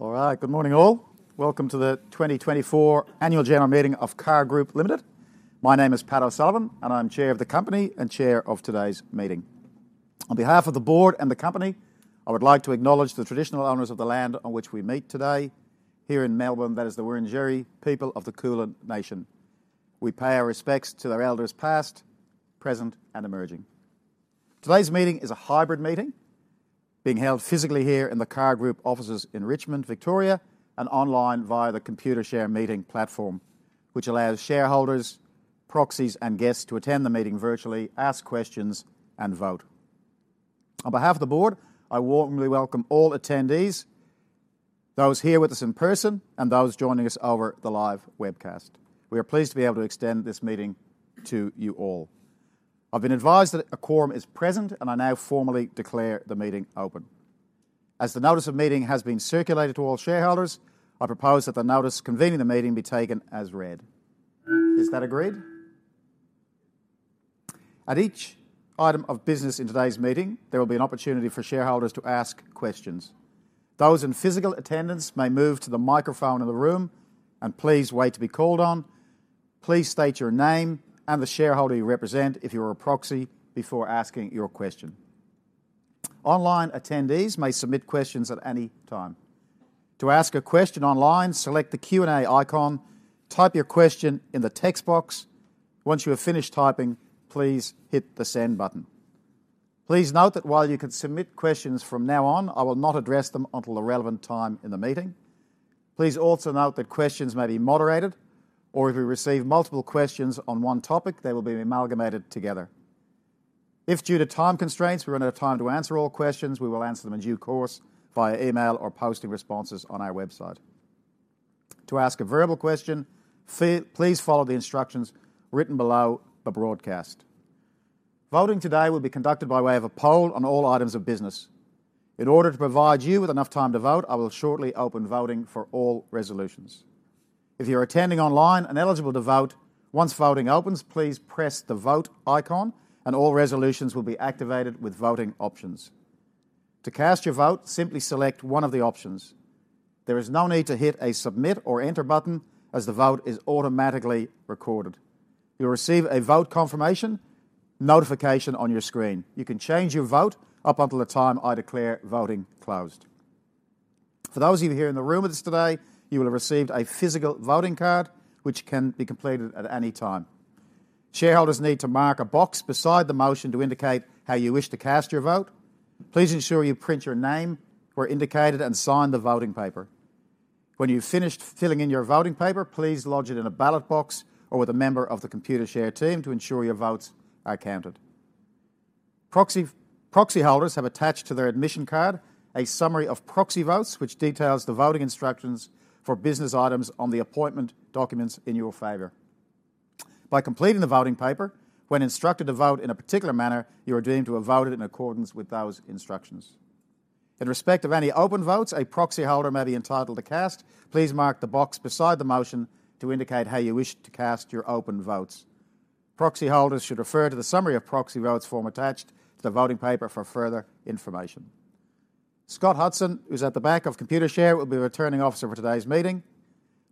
All right, good morning all. Welcome to the 2024 Annual General Meeting of CAR Group Limited. My name is Pat O'Sullivan, and I'm chair of the company and chair of today's meeting. On behalf of the board and the company, I would like to acknowledge the traditional owners of the land on which we meet today. Here in Melbourne, that is the Wurundjeri people of the Kulin nation. We pay our respects to their elders, past, present, and emerging. Today's meeting is a hybrid meeting, being held physically here in the CAR Group offices in Richmond, Victoria, and online via the Computershare meeting platform, which allows shareholders, proxies, and guests to attend the meeting virtually, ask questions, and vote. On behalf of the board, I warmly welcome all attendees, those here with us in person and those joining us over the live webcast. We are pleased to be able to extend this meeting to you all. I've been advised that a quorum is present, and I now formally declare the meeting open. As the notice of meeting has been circulated to all shareholders, I propose that the notice convening the meeting be taken as read. Is that agreed? At each item of business in today's meeting, there will be an opportunity for shareholders to ask questions. Those in physical attendance may move to the microphone in the room and please wait to be called on. Please state your name and the shareholder you represent if you are a proxy before asking your question. Online attendees may submit questions at any time. To ask a question online, select the Q&A icon, type your question in the text box. Once you have finished typing, please hit the send button. Please note that while you can submit questions from now on, I will not address them until the relevant time in the meeting. Please also note that questions may be moderated, or if we receive multiple questions on one topic, they will be amalgamated together. If due to time constraints, we run out of time to answer all questions, we will answer them in due course via email or posting responses on our website. To ask a verbal question, please follow the instructions written below the broadcast. Voting today will be conducted by way of a poll on all items of business. In order to provide you with enough time to vote, I will shortly open voting for all resolutions. If you're attending online and eligible to vote, once voting opens, please press the Vote icon, and all resolutions will be activated with voting options. To cast your vote, simply select one of the options. There is no need to hit a submit or enter button as the vote is automatically recorded. You'll receive a vote confirmation notification on your screen. You can change your vote up until the time I declare voting closed. For those of you here in the room with us today, you will have received a physical voting card, which can be completed at any time. Shareholders need to mark a box beside the motion to indicate how you wish to cast your vote. Please ensure you print your name where indicated and sign the voting paper. When you've finished filling in your voting paper, please lodge it in a ballot box or with a member of the Computershare team to ensure your votes are counted. Proxy, proxy holders have attached to their admission card a summary of proxy votes, which details the voting instructions for business items on the appointment documents in your favor. By completing the voting paper when instructed to vote in a particular manner, you are deemed to have voted in accordance with those instructions. In respect of any open votes a proxy holder may be entitled to cast, please mark the box beside the motion to indicate how you wish to cast your open votes. Proxy holders should refer to the summary of proxy votes form attached to the voting paper for further information. Scott Hudson, who's at the back of Computershare, will be the Returning Officer for today's meeting.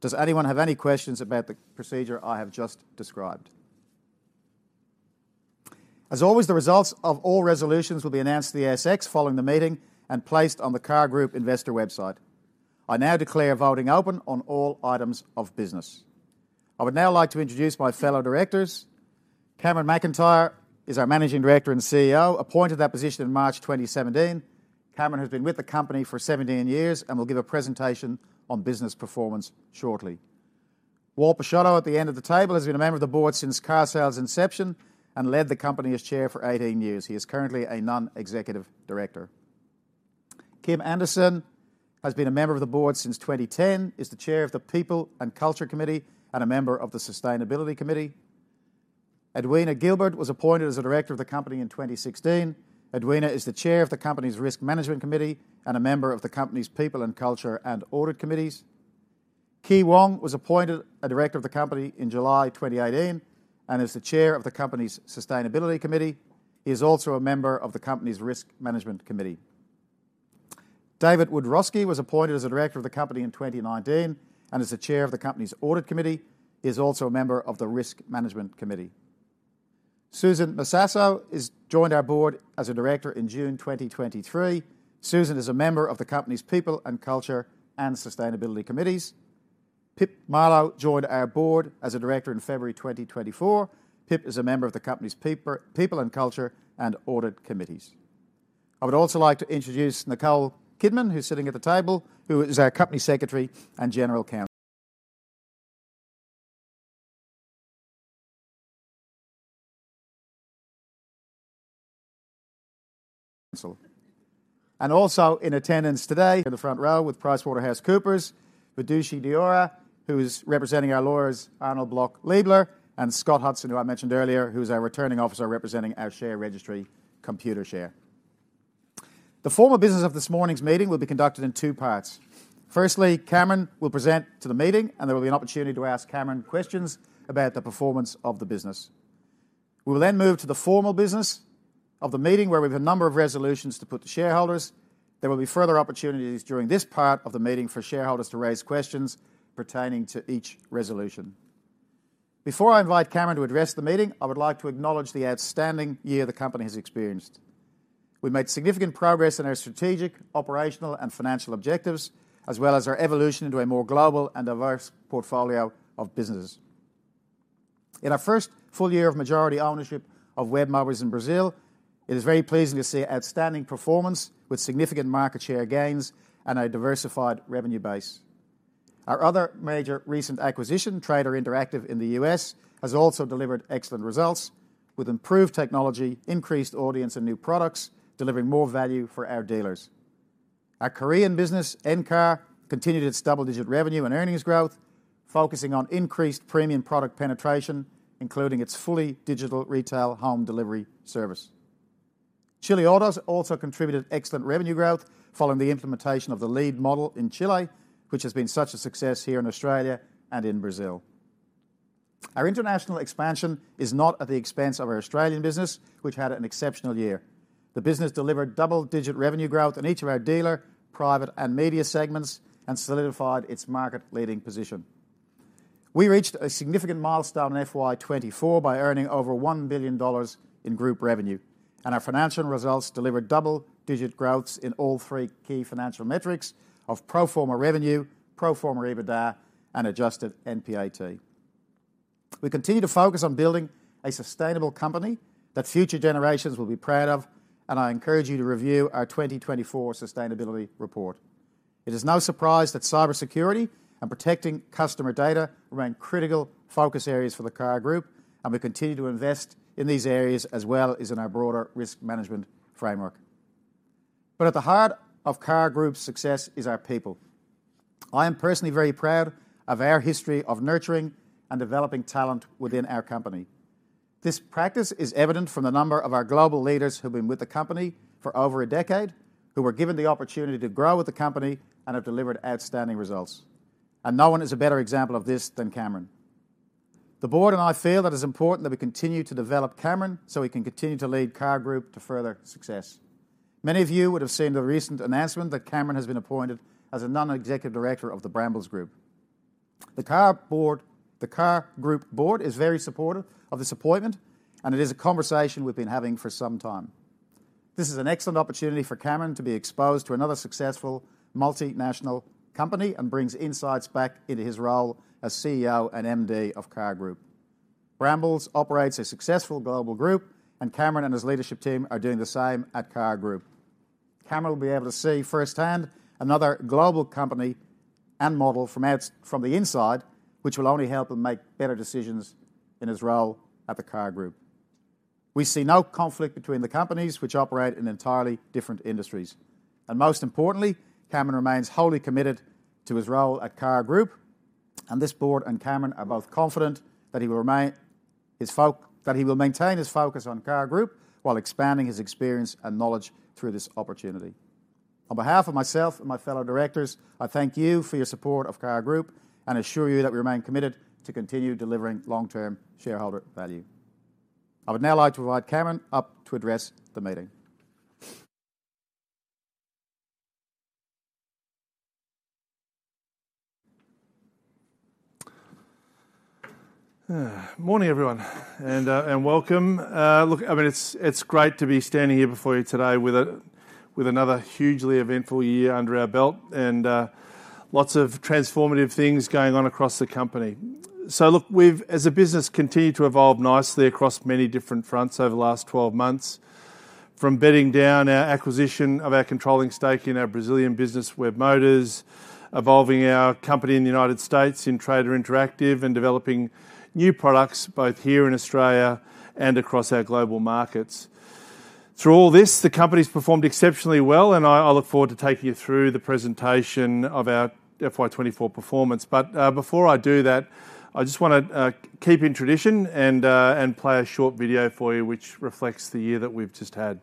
Does anyone have any questions about the procedure I have just described? As always, the results of all resolutions will be announced to the ASX following the meeting and placed on the CAR Group investor website. I now declare voting open on all items of business. I would now like to introduce my fellow directors. Cameron McIntyre is our Managing Director and CEO, appointed that position in March 2017. Cameron has been with the company for 17 years and will give a presentation on business performance shortly. Wal Pisciotta, at the end of the table, has been a member of the board since Carsales' inception and led the company as chair for 18 years. He is currently a non-executive director. Kim Anderson has been a member of the board since 2010, is the chair of the people and culture committee, and a member of the sustainability committee. Edwina Gilbert was appointed as a director of the company in 2016. Edwina is the chair of the company's risk management committee and a member of the company's people and culture and audit committees. Kee Wong was appointed a director of the company in July 2018 and is the chair of the company's sustainability committee. He is also a member of the company's risk management committee. David Wiadrowski was appointed as a director of the company in 2019 and is the chair of the company's Audit Committee. He is also a member of the Risk Management Committee. Susan Massasso joined our board as a director in June 2023. Susan is a member of the company's people and culture and sustainability committees. Pip Marlow joined our board as a director in February 2024. Pip is a member of the company's people and culture and audit committees. I would also like to introduce Nicole Birman, who's sitting at the table, who is our company secretary and general counsel. And also in attendance today in the front row with PricewaterhouseCoopers, Vidushee Deora, who is representing our lawyers, Arnold Bloch Leibler, and Scott Hudson, who I mentioned earlier, who is our returning officer, representing our share registry, Computershare. The formal business of this morning's meeting will be conducted in two parts. Firstly, Cameron will present to the meeting, and there will be an opportunity to ask Cameron questions about the performance of the business.... We will then move to the formal business of the meeting, where we have a number of resolutions to put to shareholders. There will be further opportunities during this part of the meeting for shareholders to raise questions pertaining to each resolution. Before I invite Cameron to address the meeting, I would like to acknowledge the outstanding year the company has experienced. We've made significant progress in our strategic, operational, and financial objectives, as well as our evolution into a more global and diverse portfolio of businesses. In our first full year of majority ownership of Webmotors in Brazil, it is very pleasing to see outstanding performance with significant market share gains and a diversified revenue base. Our other major recent acquisition, Trader Interactive in the U.S., has also delivered excellent results, with improved technology, increased audience, and new products, delivering more value for our dealers. Our Korean business, Encar, continued its double-digit revenue and earnings growth, focusing on increased premium product penetration, including its fully digital retail home delivery service. Chileautos also contributed excellent revenue growth following the implementation of the lead model in Chile, which has been such a success here in Australia and in Brazil. Our international expansion is not at the expense of our Australian business, which had an exceptional year. The business delivered double-digit revenue growth in each of our dealer, private, and media segments and solidified its market-leading position. We reached a significant milestone in FY 2024 by earning over 1 billion dollars in group revenue, and our financial results delivered double-digit growths in all three key financial metrics of pro-forma revenue, pro-forma EBITDA, and adjusted NPAT. We continue to focus on building a sustainable company that future generations will be proud of, and I encourage you to review our 2024 sustainability report. It is no surprise that cybersecurity and protecting customer data remain critical focus areas for the CAR Group, and we continue to invest in these areas as well as in our broader risk management framework. But at the heart of CAR Group's success is our people. I am personally very proud of our history of nurturing and developing talent within our company. This practice is evident from the number of our global leaders who've been with the company for over a decade, who were given the opportunity to grow with the company and have delivered outstanding results. And no one is a better example of this than Cameron. The board and I feel that it's important that we continue to develop Cameron so he can continue to lead CAR Group to further success. Many of you would have seen the recent announcement that Cameron has been appointed as a non-executive director of the Brambles Group. The CAR Board, the CAR Group board is very supportive of this appointment, and it is a conversation we've been having for some time. This is an excellent opportunity for Cameron to be exposed to another successful multinational company and brings insights back into his role as CEO and MD of CAR Group. Brambles operates a successful global group, and Cameron and his leadership team are doing the same at CAR Group. Cameron will be able to see firsthand another global company and model from the outside, from the inside, which will only help him make better decisions in his role at the CAR Group. We see no conflict between the companies, which operate in entirely different industries. And most importantly, Cameron remains wholly committed to his role at CAR Group, and this board and Cameron are both confident that he will maintain his focus on CAR Group while expanding his experience and knowledge through this opportunity. On behalf of myself and my fellow directors, I thank you for your support of CAR Group and assure you that we remain committed to continue delivering long-term shareholder value. I would now like to invite Cameron up to address the meeting. Morning, everyone, and welcome. Look, I mean, it's great to be standing here before you today with another hugely eventful year under our belt and lots of transformative things going on across the company. So look, we've, as a business, continued to evolve nicely across many different fronts over the last 12 months, from bedding down our acquisition of our controlling stake in our Brazilian business, Webmotors, evolving our company in the United States in Trader Interactive, and developing new products both here in Australia and across our global markets. Through all this, the company's performed exceptionally well, and I look forward to taking you through the presentation of our FY 2024 performance. But, before I do that, I just wanna keep in tradition and play a short video for you, which reflects the year that we've just had.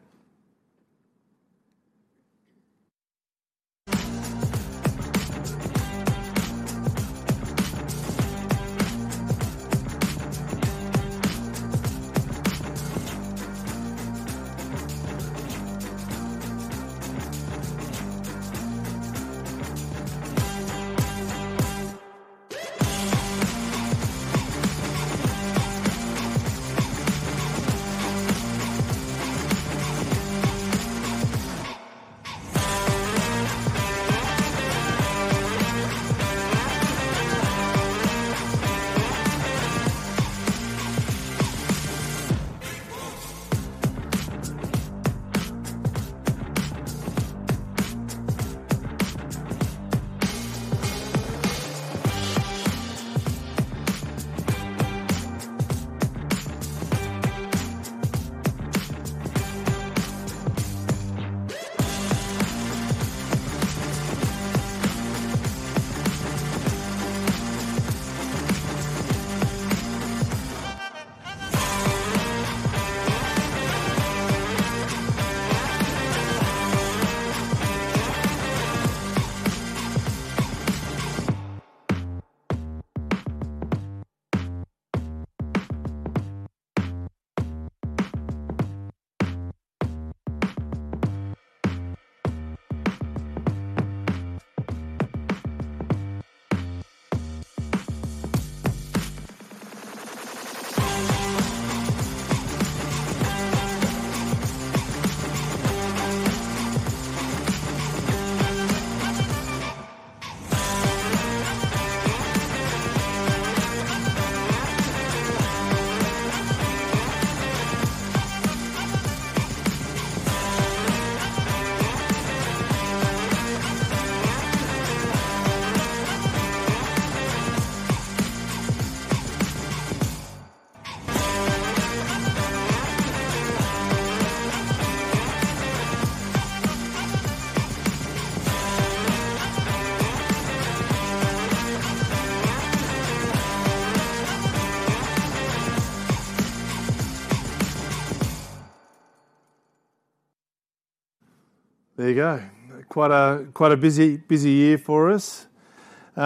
There you go. Quite a busy year for us.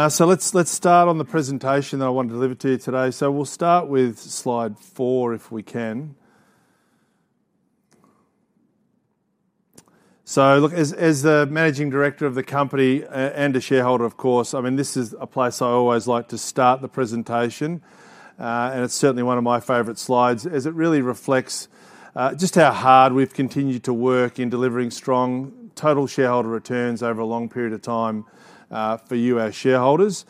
So let's start on the presentation that I wanted to deliver to you today. So we'll start with slide four, if we can. So look, as the Managing Director of the company, and a shareholder, of course, I mean, this is a place I always like to start the presentation. And it's certainly one of my favorite slides, as it really reflects just how hard we've continued to work in delivering strong total shareholder returns over a long period of time, for you, our shareholders.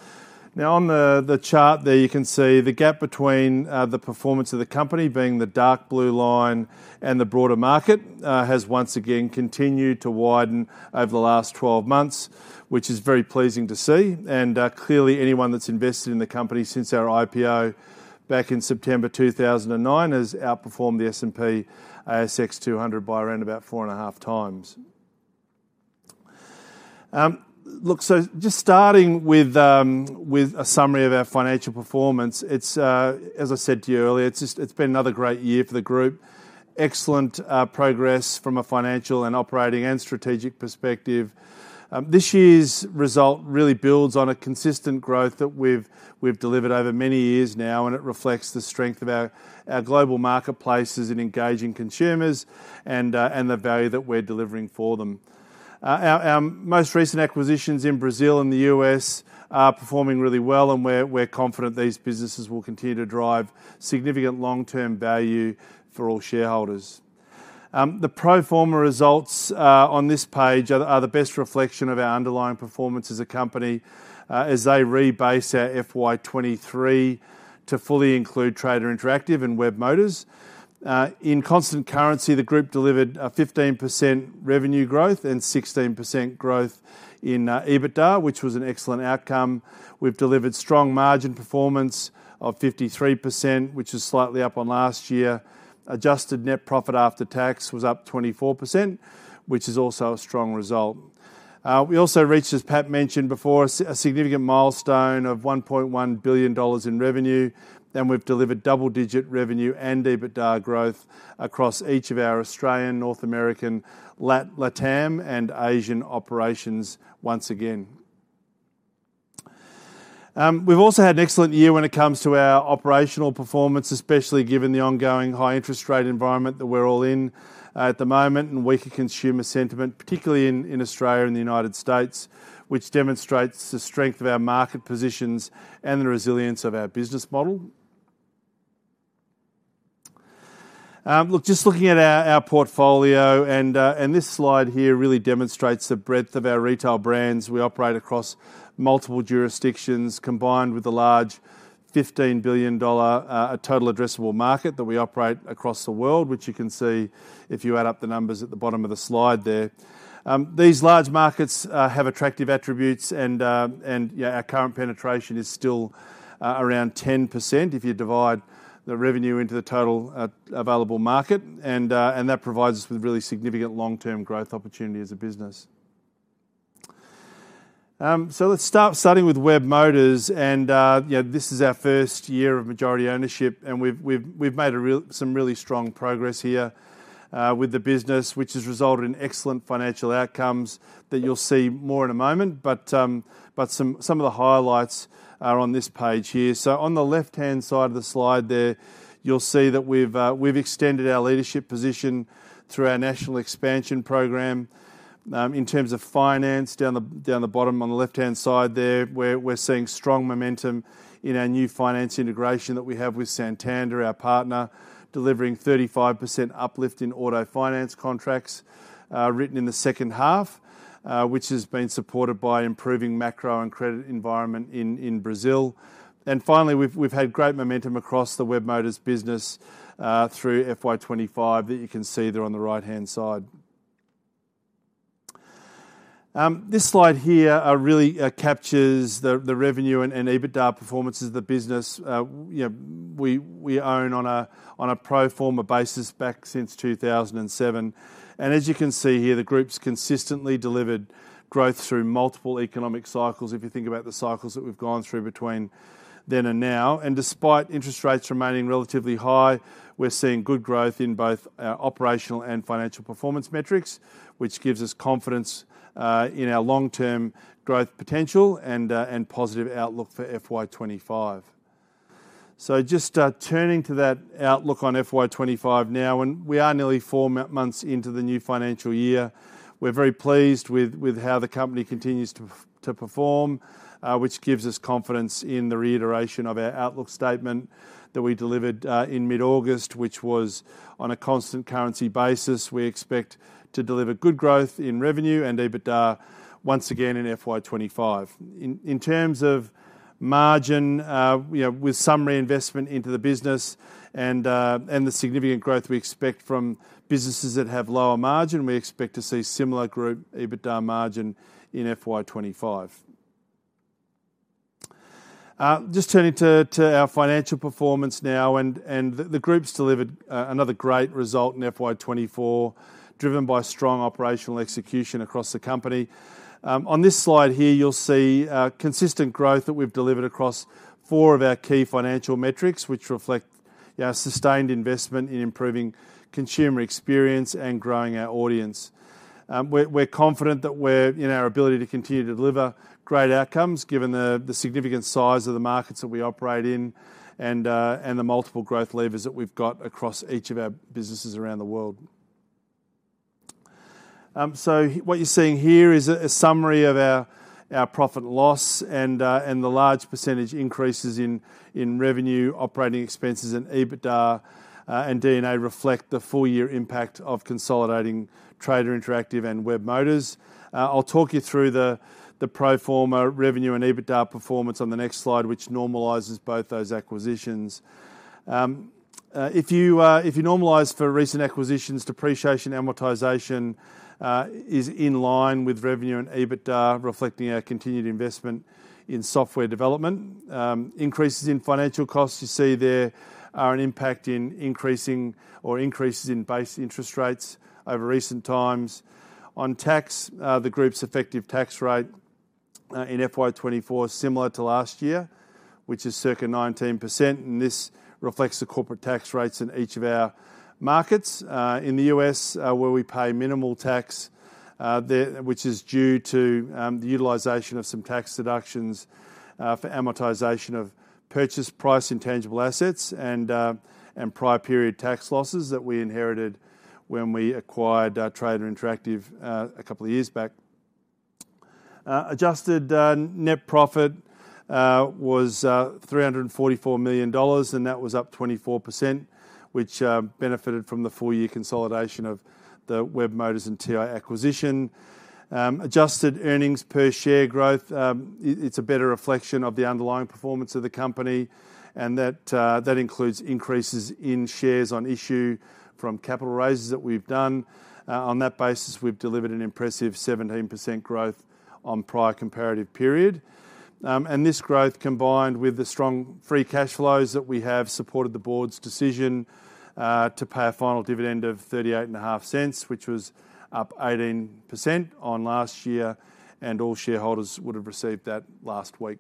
Now, on the chart there, you can see the gap between the performance of the company, being the dark blue line, and the broader market, has once again continued to widen over the last 12 months, which is very pleasing to see. And clearly, anyone that's invested in the company since our IPO back in September 2009, has outperformed the S&P/ASX 200 by around about four and a half times. Look, so just starting with a summary of our financial performance, it's, as I said to you earlier, it's been another great year for the group. Excellent progress from a financial and operating and strategic perspective. This year's result really builds on a consistent growth that we've delivered over many years now, and it reflects the strength of our global marketplaces in engaging consumers and the value that we're delivering for them. Our most recent acquisitions in Brazil and the U.S. are performing really well, and we're confident these businesses will continue to drive significant long-term value for all shareholders. The pro-forma results on this page are the best reflection of our underlying performance as a company, as they rebase our FY 2023 to fully include Trader Interactive and Webmotors. In constant currency, the group delivered a 15% revenue growth and 16% growth in EBITDA, which was an excellent outcome. We've delivered strong margin performance of 53%, which is slightly up on last year. Adjusted net profit after tax was up 24%, which is also a strong result. We also reached, as Pat mentioned before, a significant milestone of 1.1 billion dollars in revenue, and we've delivered double-digit revenue and EBITDA growth across each of our Australian, North American, LATAM, and Asian operations once again. We've also had an excellent year when it comes to our operational performance, especially given the ongoing high interest rate environment that we're all in at the moment, and weaker consumer sentiment, particularly in Australia and the United States, which demonstrates the strength of our market positions and the resilience of our business model. Look, just looking at our portfolio and this slide here really demonstrates the breadth of our retail brands. We operate across multiple jurisdictions, combined with a large 15 billion dollar total addressable market that we operate across the world, which you can see if you add up the numbers at the bottom of the slide there. These large markets have attractive attributes, and, yeah, our current penetration is still around 10%, if you divide the revenue into the total available market, and that provides us with really significant long-term growth opportunity as a business. So let's start with Webmotors, and you know, this is our first year of majority ownership, and we've made some really strong progress here with the business, which has resulted in excellent financial outcomes that you'll see more in a moment. But some of the highlights are on this page here. So on the left-hand side of the slide there, you'll see that we've extended our leadership position through our national expansion program. In terms of finance, down the bottom on the left-hand side there, we're seeing strong momentum in our new finance integration that we have with Santander, our partner, delivering 35% uplift in auto finance contracts written in the second half, which has been supported by improving macro and credit environment in Brazil. And finally, we've had great momentum across the Webmotors business through FY 2025, that you can see there on the right-hand side. This slide here really captures the revenue and EBITDA performances of the business. You know, we own on a pro-forma basis back since 2007. As you can see here, the group's consistently delivered growth through multiple economic cycles. If you think about the cycles that we've gone through between then and now, and despite interest rates remaining relatively high, we're seeing good growth in both our operational and financial performance metrics, which gives us confidence in our long-term growth potential and positive outlook for FY 2025. Just turning to that outlook on FY 2025, and we are nearly four months into the new financial year. We're very pleased with how the company continues to perform, which gives us confidence in the reiteration of our outlook statement that we delivered in mid-August, which was on a constant currency basis. We expect to deliver good growth in revenue and EBITDA once again in FY 2025. In terms of margin, you know, with some reinvestment into the business and the significant growth we expect from businesses that have lower margin, we expect to see similar group EBITDA margin in FY 2025. Just turning to our financial performance now, and the group's delivered another great result in FY 2024, driven by strong operational execution across the company. On this slide here, you'll see consistent growth that we've delivered across four of our key financial metrics, which reflect our sustained investment in improving consumer experience and growing our audience. We're confident that we're in our ability to continue to deliver great outcomes, given the significant size of the markets that we operate in, and the multiple growth levers that we've got across each of our businesses around the world. So what you're seeing here is a summary of our profit and loss and the large percentage increases in revenue, operating expenses, and EBITDA, and D&A reflect the full year impact of consolidating Trader Interactive and Webmotors. I'll talk you through the pro-forma revenue and EBITDA performance on the next slide, which normalizes both those acquisitions. If you normalize for recent acquisitions, depreciation, amortization is in line with revenue and EBITDA, reflecting our continued investment in software development. Increases in financial costs, you see there, are impacted by increases in base interest rates over recent times. On tax, the group's effective tax rate in FY 2024 is similar to last year, which is circa 19%, and this reflects the corporate tax rates in each of our markets. In the U.S., where we pay minimal tax, which is due to the utilization of some tax deductions for amortization of purchase price, intangible assets, and prior period tax losses that we inherited when we acquired Trader Interactive a couple of years back. Adjusted net profit was 344 million dollars, and that was up 24%, which benefited from the full-year consolidation of the Webmotors and TI acquisition. Adjusted earnings per share growth, it's a better reflection of the underlying performance of the company, and that includes increases in shares on issue from capital raises that we've done. On that basis, we've delivered an impressive 17% growth on prior comparative period. And this growth, combined with the strong free cash flows that we have, supported the board's decision to pay a final dividend of 0.385, which was up 18% on last year, and all shareholders would have received that last week.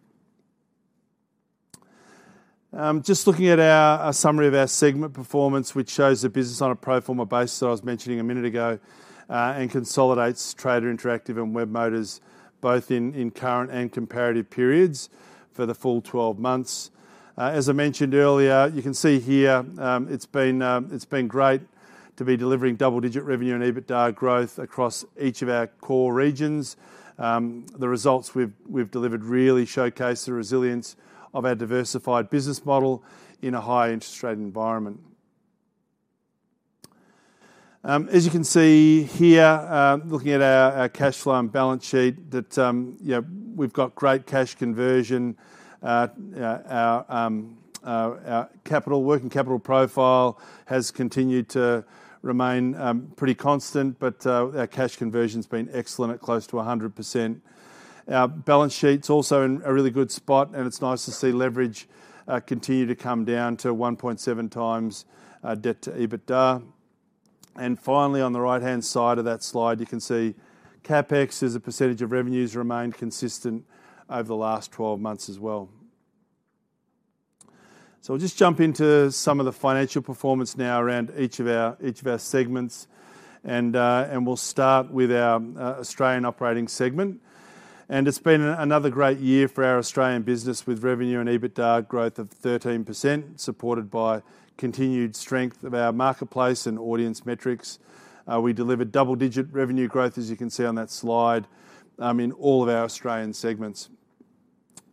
Just looking at our summary of our segment performance, which shows the business on a pro forma basis that I was mentioning a minute ago, and consolidates Trader Interactive and Webmotors, both in current and comparative periods for the full 12 months. As I mentioned earlier, you can see here, it's been great to be delivering double-digit revenue and EBITDA growth across each of our core regions. The results we've delivered really showcase the resilience of our diversified business model in a high interest rate environment. As you can see here, looking at our cash flow and balance sheet, that yeah, we've got great cash conversion. Our working capital profile has continued to remain pretty constant, but our cash conversion's been excellent at close to 100%. Our balance sheet's also in a really good spot, and it's nice to see leverage continue to come down to 1.7x debt to EBITDA, and finally, on the right-hand side of that slide, you can see CapEx, as a percentage of revenues, remained consistent over the last 12 months as well, so I'll just jump into some of the financial performance now around each of our segments, and we'll start with our Australian operating segment. And it's been another great year for our Australian business, with revenue and EBITDA growth of 13%, supported by continued strength of our marketplace and audience metrics. We delivered double-digit revenue growth, as you can see on that slide, in all of our Australian segments.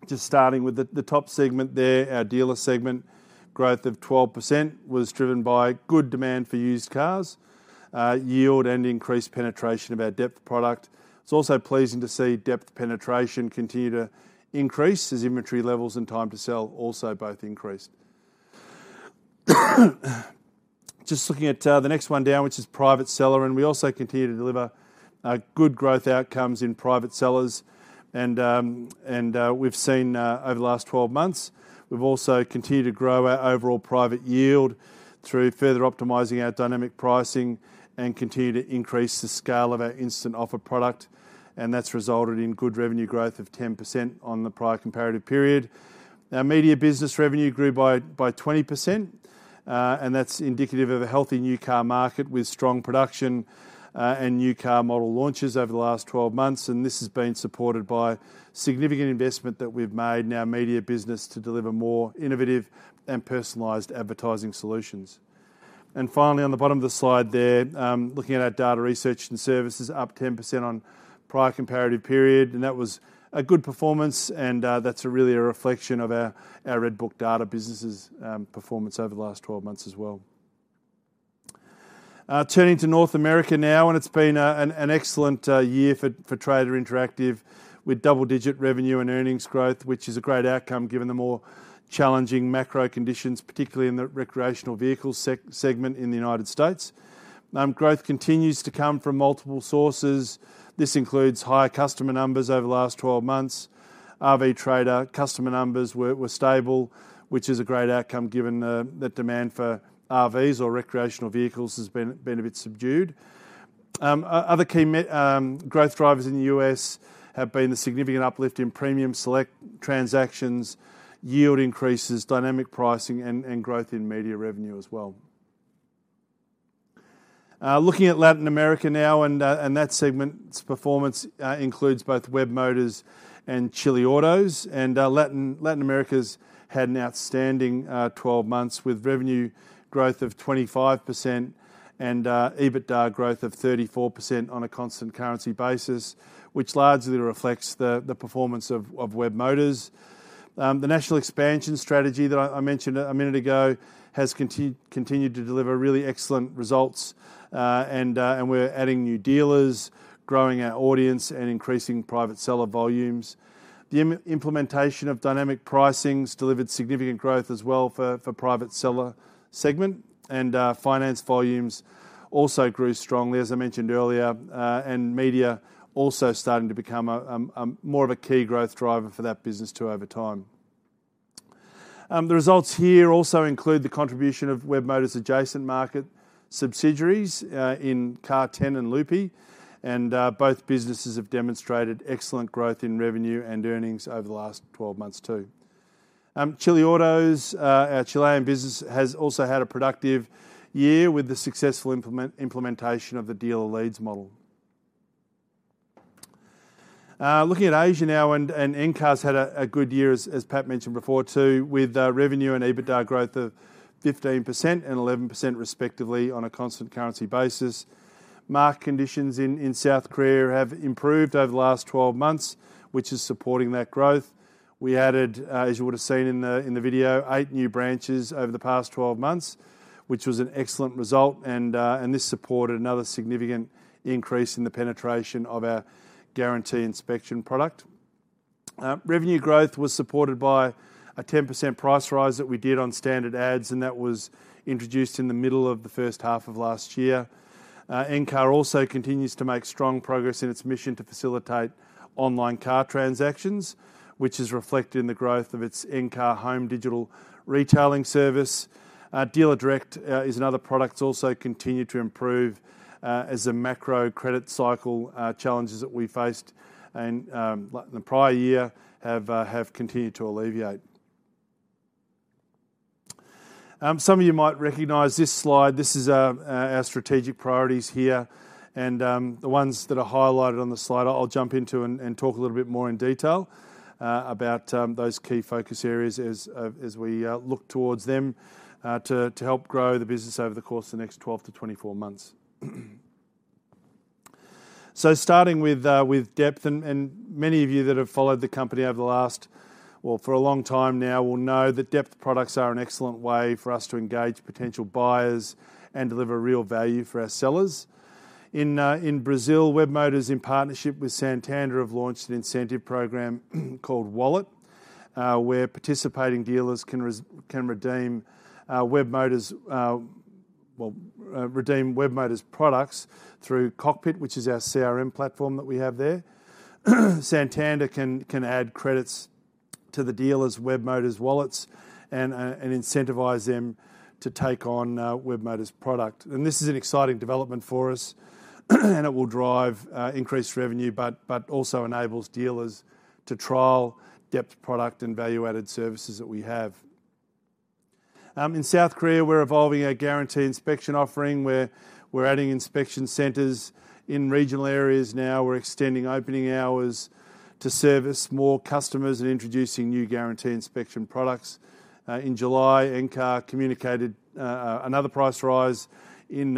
Just starting with the top segment there, our dealer segment, growth of 12% was driven by good demand for used cars, yield and increased penetration of our depth product. It's also pleasing to see depth penetration continue to increase as inventory levels and time to sell also both increased. Just looking at the next one down, which is private seller, and we also continue to deliver... Good growth outcomes in private sellers, and we've seen over the last 12 months, we've also continued to grow our overall private yield through further optimizing our dynamic pricing and continue to increase the scale of our Instant Offer product, and that's resulted in good revenue growth of 10% on the prior comparative period. Our media business revenue grew by 20%, and that's indicative of a healthy new car market with strong production and new car model launches over the last 12 months, and this has been supported by significant investment that we've made in our media business to deliver more innovative and personalized advertising solutions. And finally, on the bottom of the slide there, looking at our data research and services, up 10% on prior comparative period, and that was a good performance, and that's really a reflection of our RedBook data business's performance over the last 12 months as well. Turning to North America now, and it's been an excellent year for Trader Interactive with double-digit revenue and earnings growth, which is a great outcome given the more challenging macro conditions, particularly in the recreational vehicle segment in the United States. Growth continues to come from multiple sources. This includes higher customer numbers over the last 12 months. RV Trader customer numbers were stable, which is a great outcome given the demand for RVs or recreational vehicles has been a bit subdued. Other key growth drivers in the U.S. have been the significant uplift in Premium Select transactions, yield increases, dynamic pricing, and growth in media revenue as well. Looking at Latin America now, and that segment's performance includes both Webmotors and Chileautos. Latin America's had an outstanding 12 months with revenue growth of 25% and EBITDA growth of 34% on a constant currency basis, which largely reflects the performance of Webmotors. The national expansion strategy that I mentioned a minute ago has continued to deliver really excellent results. And we're adding new dealers, growing our audience, and increasing private seller volumes. The implementation of dynamic pricing delivered significant growth as well for private seller segment, and finance volumes also grew strongly, as I mentioned earlier. Media also starting to become a more of a key growth driver for that business, too, over time. The results here also include the contribution of Webmotors' adjacent market subsidiaries in Car10 and Loop, and both businesses have demonstrated excellent growth in revenue and earnings over the last 12 months, too. Chileautos, our Chilean business, has also had a productive year with the successful implementation of the dealer lead model. Looking at Asia now, and Encar's had a good year, as Pat mentioned before, too, with revenue and EBITDA growth of 15% and 11% respectively on a constant currency basis. Market conditions in South Korea have improved over the last 12 months, which is supporting that growth. We added, as you would have seen in the video, eight new branches over the past 12 months, which was an excellent result, and this supported another significant increase in the penetration of our Guarantee Inspection product. Revenue growth was supported by a 10% price rise that we did on standard ads, and that was introduced in the middle of the first half of last year. Encar also continues to make strong progress in its mission to facilitate online car transactions, which is reflected in the growth of its Encar Home digital retailing service. Dealer Direct is another product that's also continued to improve as the macro credit cycle challenges that we faced and, like, in the prior year, have continued to alleviate. Some of you might recognize this slide. This is our strategic priorities here, and the ones that are highlighted on the slide. I'll jump into and talk a little bit more in detail about those key focus areas as we look towards them to help grow the business over the course of the next 12 to 24 months. So starting with depth, and many of you that have followed the company over the last, well, for a long time now, will know that depth products are an excellent way for us to engage potential buyers and deliver real value for our sellers. In Brazil, Webmotors, in partnership with Santander, have launched an incentive program called Wallet, where participating dealers can redeem Webmotors products through Cockpit, which is our CRM platform that we have there. Santander can add credits to the dealers' Webmotors wallets and incentivize them to take on Webmotors' product. And this is an exciting development for us, and it will drive increased revenue, but also enables dealers to trial depth product and value-added services that we have. In South Korea, we're evolving our guarantee inspection offering, where we're adding inspection centers in regional areas now. We're extending opening hours to service more customers and introducing new guarantee inspection products. In July, Encar communicated another price rise in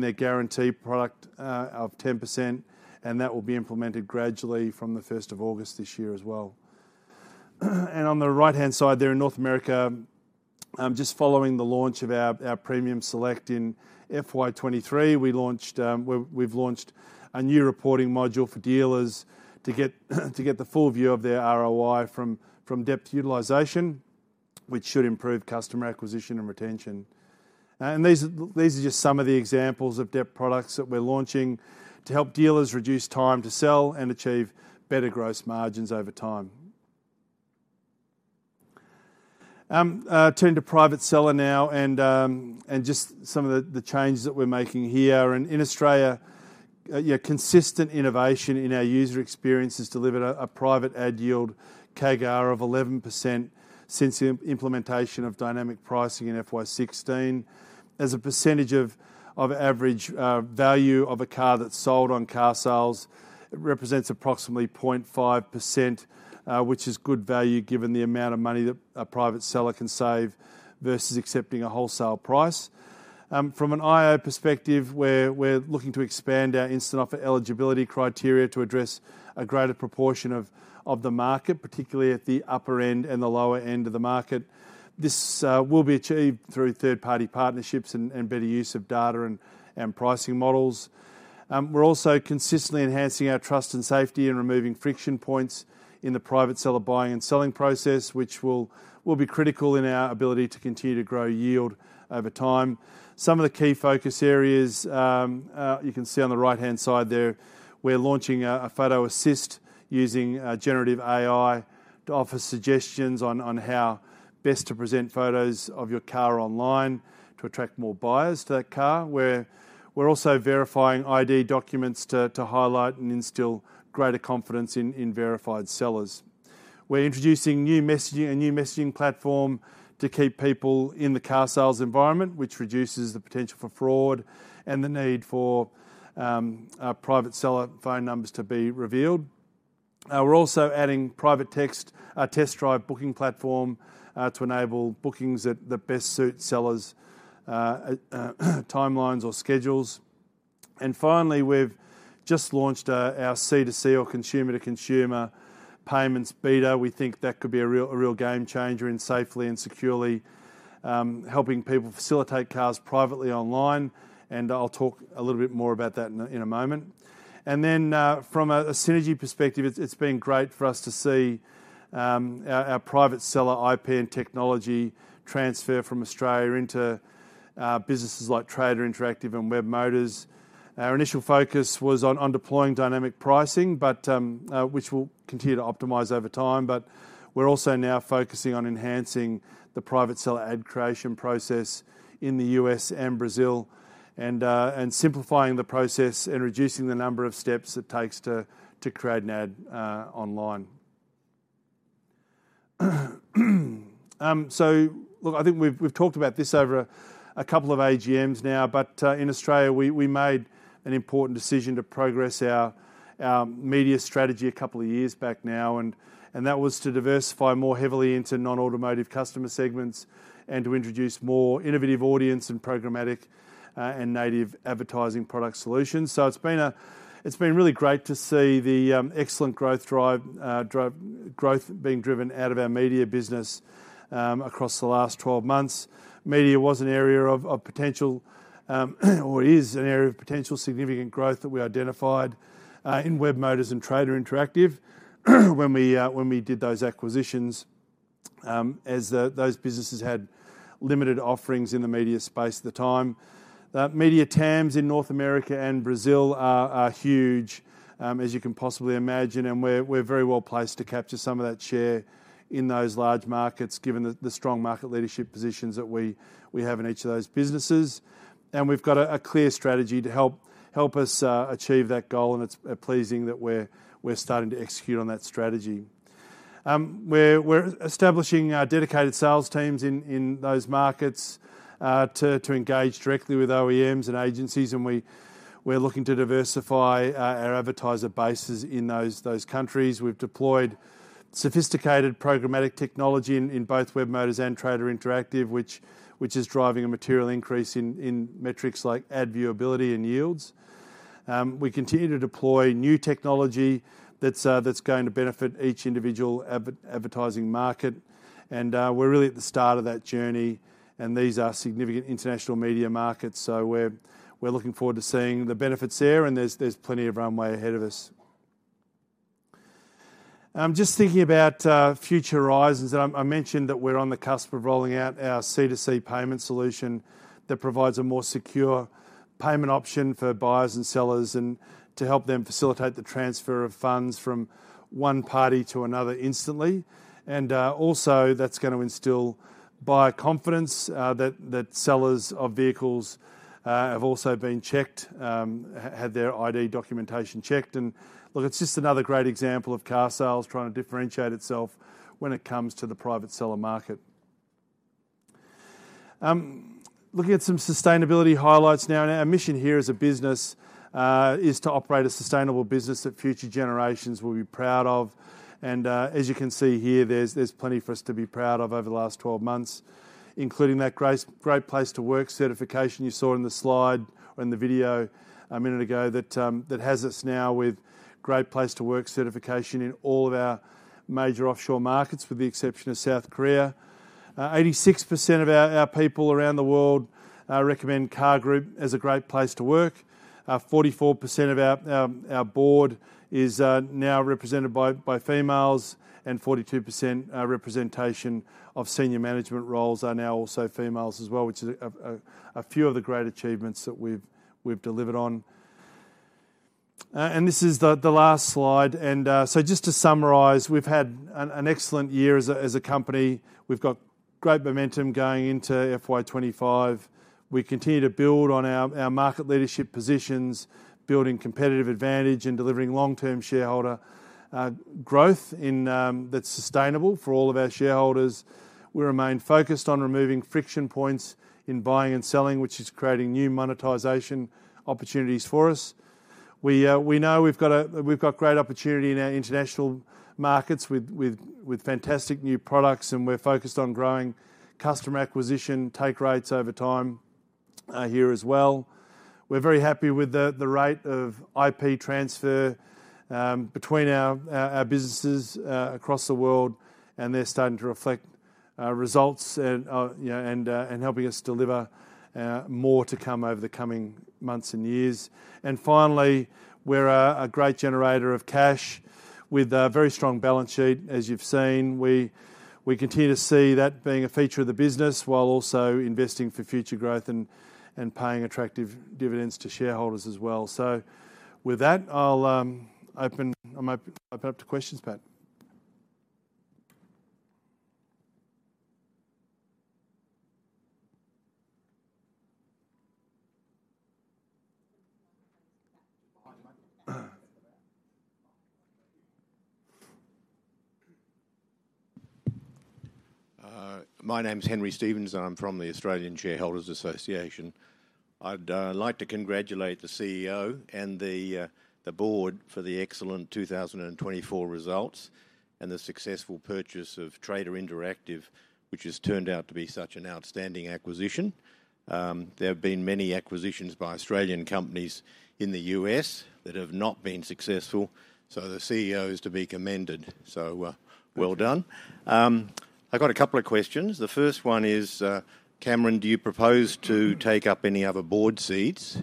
their guarantee product of 10%, and that will be implemented gradually from the first of August this year as well. On the right-hand side there, in North America, just following the launch of our Premium Select in FY 2023, we launched, we've launched a new reporting module for dealers to get the full view of their ROI from depth utilization, which should improve customer acquisition and retention. And these are just some of the examples of depth products that we're launching to help dealers reduce time to sell and achieve better gross margins over time. Turning to private seller now, and just some of the changes that we're making here. In Australia, consistent innovation in our user experience has delivered a private ad yield CAGR of 11% since implementation of dynamic pricing in FY 2016. As a percentage of average value of a car that's sold on carsales, it represents approximately 0.5%, which is good value given the amount of money that a private seller can save versus accepting a wholesale price. From an IO perspective, we're looking to expand our instant offer eligibility criteria to address a greater proportion of the market, particularly at the upper end and the lower end of the market. This will be achieved through third-party partnerships and better use of data and pricing models. We're also consistently enhancing our trust and safety and removing friction points in the private seller buying and selling process, which will be critical in our ability to continue to grow yield over time. Some of the key focus areas you can see on the right-hand side there, we're launching a Photo Assist using generative AI to offer suggestions on how best to present photos of your car online to attract more buyers to that car. We're also verifying ID documents to highlight and instill greater confidence in verified sellers. We're introducing new messaging, a new messaging platform to keep people in the carsales environment, which reduces the potential for fraud and the need for private seller phone numbers to be revealed. We're also adding private test drive booking platform to enable bookings that best suit sellers' timelines or schedules. And finally, we've just launched our C2C or consumer-to-consumer payments beta. We think that could be a real game changer in safely and securely helping people facilitate cars privately online, and I'll talk a little bit more about that in a moment. And then, from a synergy perspective, it's been great for us to see our private seller IP and technology transfer from Australia into businesses like Trader Interactive and Webmotors. Our initial focus was on deploying dynamic pricing, but which we'll continue to optimize over time. But we're also now focusing on enhancing the private seller ad creation process in the U.S. and Brazil, and simplifying the process and reducing the number of steps it takes to create an ad online. So look, I think we've talked about this over a couple of AGMs now, but in Australia, we made an important decision to progress our media strategy a couple of years back now, and that was to diversify more heavily into non-automotive customer segments and to introduce more innovative audience and programmatic and native advertising product solutions. So it's been really great to see the excellent growth being driven out of our media business across the last 12 months. Media was an area of potential or is an area of potential significant growth that we identified in Webmotors and Trader Interactive, when we did those acquisitions, as those businesses had limited offerings in the media space at the time. Media TAMs in North America and Brazil are huge, as you can possibly imagine, and we're very well placed to capture some of that share in those large markets, given the strong market leadership positions that we have in each of those businesses. And we've got a clear strategy to help us achieve that goal, and it's pleasing that we're starting to execute on that strategy. We're establishing dedicated sales teams in those markets to engage directly with OEMs and agencies, and we're looking to diversify our advertiser bases in those countries. We've deployed sophisticated programmatic technology in both Webmotors and Trader Interactive, which is driving a material increase in metrics like ad viewability and yields. We continue to deploy new technology that's going to benefit each individual advertising market, and we're really at the start of that journey, and these are significant international media markets. So we're looking forward to seeing the benefits there, and there's plenty of runway ahead of us. Just thinking about future horizons, and I mentioned that we're on the cusp of rolling out our C2C payment solution that provides a more secure payment option for buyers and sellers, and to help them facilitate the transfer of funds from one party to another instantly. Also, that's gonna instill buyer confidence that sellers of vehicles have also been checked had their ID documentation checked. Look, it's just another great example of carsales trying to differentiate itself when it comes to the private seller market. Looking at some sustainability highlights now, and our mission here as a business is to operate a sustainable business that future generations will be proud of. As you can see here, there's plenty for us to be proud of over the last 12 months, including that Great Place to Work certification you saw in the slide, or in the video a minute ago, that has us now with Great Place to Work certification in all of our major offshore markets, with the exception of South Korea. 86% of our people around the world recommend CAR Group as a great place to work. 44% of our board is now represented by females, and 42% representation of senior management roles are now also females as well, which is a few of the great achievements that we've delivered on. This is the last slide. So just to summarize, we've had an excellent year as a company. We've got great momentum going into FY 2025. We continue to build on our market leadership positions, building competitive advantage, and delivering long-term shareholder growth in that's sustainable for all of our shareholders. We remain focused on removing friction points in buying and selling, which is creating new monetization opportunities for us. We know we've got great opportunity in our international markets with fantastic new products, and we're focused on growing customer acquisition, take rates over time, here as well. We're very happy with the rate of IP transfer between our businesses across the world, and they're starting to reflect results and, you know, helping us deliver more to come over the coming months and years. Finally, we're a great generator of cash with a very strong balance sheet. As you've seen, we continue to see that being a feature of the business, while also investing for future growth and paying attractive dividends to shareholders as well. With that, I'll open up to questions, Pat. My name's Henry Stephens, and I'm from the Australian Shareholders' Association. I'd like to congratulate the CEO and the board for the excellent 2024 results and the successful purchase of Trader Interactive, which has turned out to be such an outstanding acquisition. There have been many acquisitions by Australian companies in the U.S. that have not been successful, so the CEO is to be commended. So, well done. I've got a couple of questions. The first one is, Cameron: do you propose to take up any other board seats?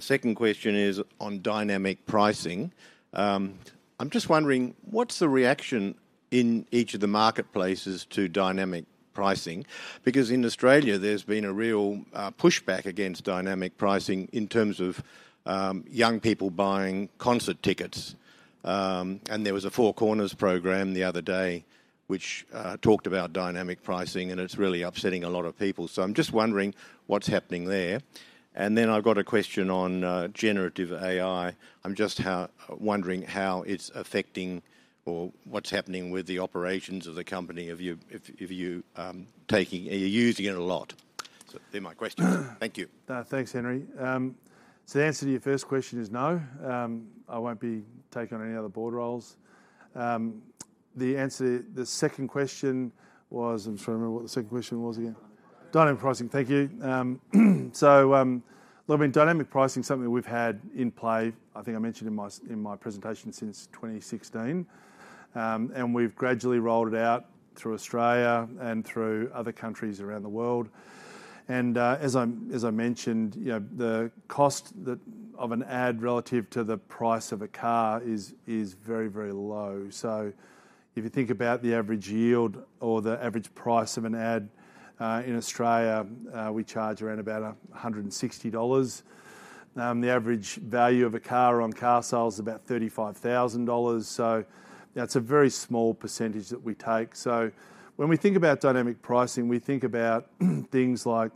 Second question is on dynamic pricing. I'm just wondering, what's the reaction in each of the marketplaces to dynamic pricing? Because in Australia, there's been a real pushback against dynamic pricing in terms of young people buying concert tickets. And there was a Four Corners program the other day, which talked about dynamic pricing, and it's really upsetting a lot of people. So I'm just wondering what's happening there. And then I've got a question on generative AI. I'm just wondering how it's affecting or what's happening with the operations of the company, if you are using it a lot? So they're my questions. Thank you. Thanks, Henry. So the answer to your first question is no. I won't be taking on any other board roles. The answer to the second question was, I'm just trying to remember what the second question was again. Dynamic pricing. Thank you. So, look, I mean, dynamic pricing is something we've had in play, I think I mentioned in my presentation, since 2016. And we've gradually rolled it out through Australia and through other countries around the world. And, as I mentioned, you know, the cost of an ad relative to the price of a car is very, very low. So if you think about the average yield or the average price of an ad in Australia, we charge around about 160 dollars. The average value of a car on carsales is about 35,000 dollars. So that's a very small percentage that we take. So when we think about dynamic pricing, we think about things like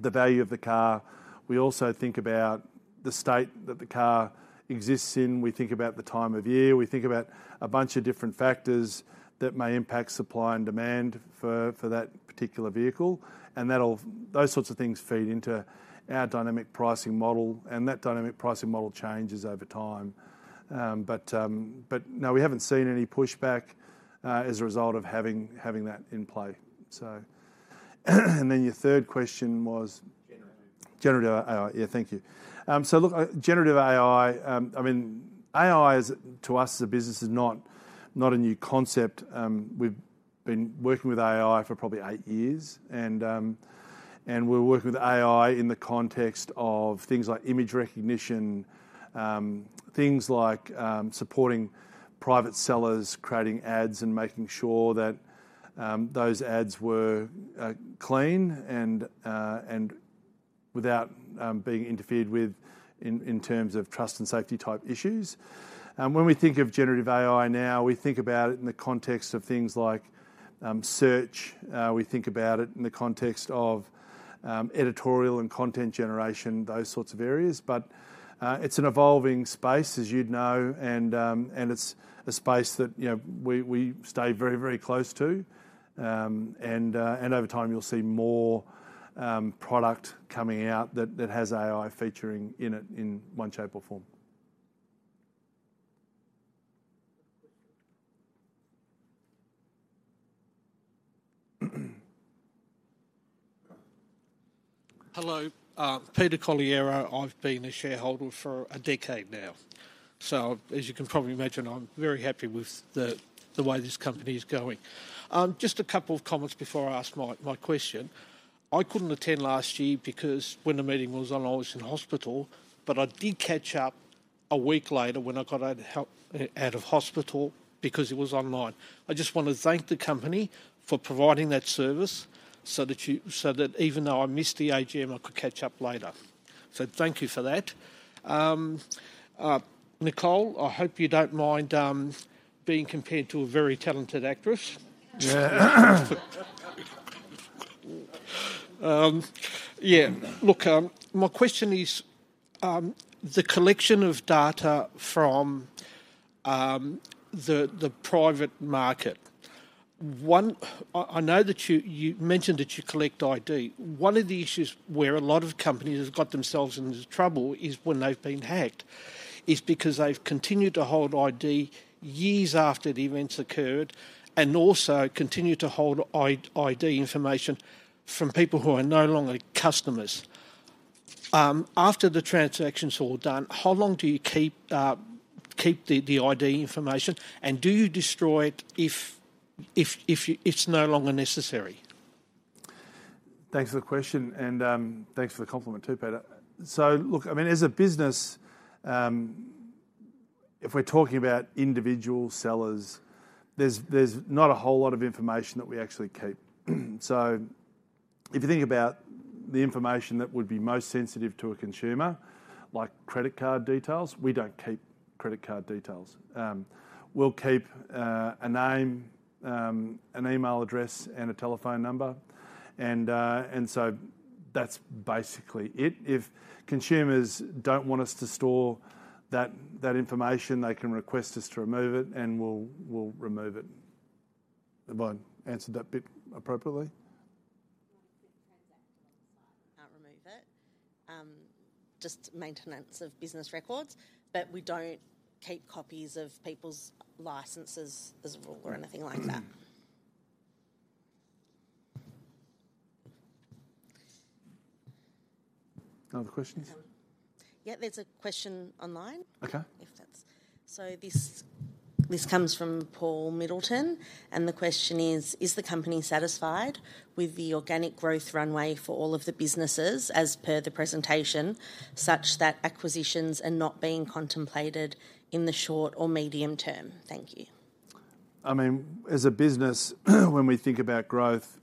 the value of the car. We also think about the state that the car exists in. We think about the time of year. We think about a bunch of different factors that may impact supply and demand for that particular vehicle, and that'll... Those sorts of things feed into our dynamic pricing model, and that dynamic pricing model changes over time. But no, we haven't seen any pushback as a result of having that in play. So, and then your third question was? Generative AI. Yeah, thank you. So look, generative AI, I mean, AI is, to us as a business, is not a new concept. We've been working with AI for probably eight years, and we're working with AI in the context of things like image recognition, things like supporting private sellers, creating ads, and making sure that those ads were clean and without being interfered with in terms of trust and safety type issues. When we think of generative AI now, we think about it in the context of things like search. We think about it in the context of editorial and content generation, those sorts of areas. But it's an evolving space, as you'd know, and it's a space that, you know, we stay very, very close to. And over time, you'll see more product coming out that has AI featuring in it in one shape or form. Hello, Peter Collier. I've been a shareholder for a decade now. So as you can probably imagine, I'm very happy with the way this company is going. Just a couple of comments before I ask my question. I couldn't attend last year because when the meeting was on, I was in hospital, but I did catch up a week later when I got out of hospital because it was online. I just want to thank the company for providing that service so that even though I missed the AGM, I could catch up later.... So thank you for that. Nicole, I hope you don't mind, being compared to a very talented actress. Yeah, look, my question is, the collection of data from, the private market. One, I know that you mentioned that you collect ID. One of the issues where a lot of companies have got themselves into trouble is when they've been hacked, is because they've continued to hold ID years after the events occurred and also continued to hold ID information from people who are no longer customers. After the transaction's all done, how long do you keep the ID information, and do you destroy it if it's no longer necessary? Thanks for the question, and thanks for the compliment, too, Peter. So look, I mean, as a business, if we're talking about individual sellers, there's not a whole lot of information that we actually keep. So if you think about the information that would be most sensitive to a consumer, like credit card details, we don't keep credit card details. We'll keep a name, an email address, and a telephone number, and so that's basically it. If consumers don't want us to store that information, they can request us to remove it, and we'll remove it. Have I answered that bit appropriately? can't remove it, just maintenance of business records. But we don't keep copies of people's licenses as rule or anything like that. No other questions? Yeah, there's a question online. Okay. So this comes from Paul Middleton, and the question is: Is the company satisfied with the organic growth runway for all of the businesses as per the presentation, such that acquisitions are not being contemplated in the short or medium term? Thank you. I mean, as a business, when we think about growth,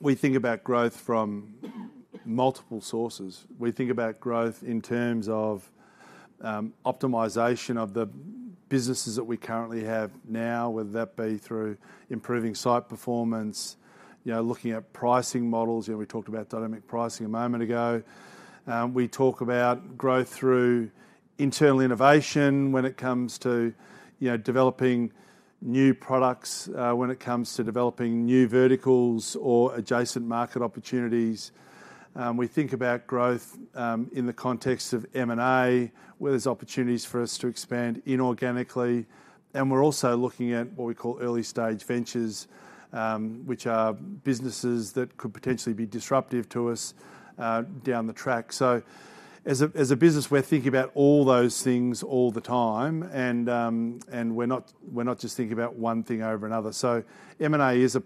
we think about growth from multiple sources. We think about growth in terms of optimization of the businesses that we currently have now, whether that be through improving site performance, you know, looking at pricing models. You know, we talked about dynamic pricing a moment ago. We talk about growth through internal innovation when it comes to, you know, developing new products, when it comes to developing new verticals or adjacent market opportunities. We think about growth in the context of M&A, where there's opportunities for us to expand inorganically, and we're also looking at what we call early-stage ventures, which are businesses that could potentially be disruptive to us, down the track. So as a business, we're thinking about all those things all the time, and we're not just thinking about one thing over another. So M&A is a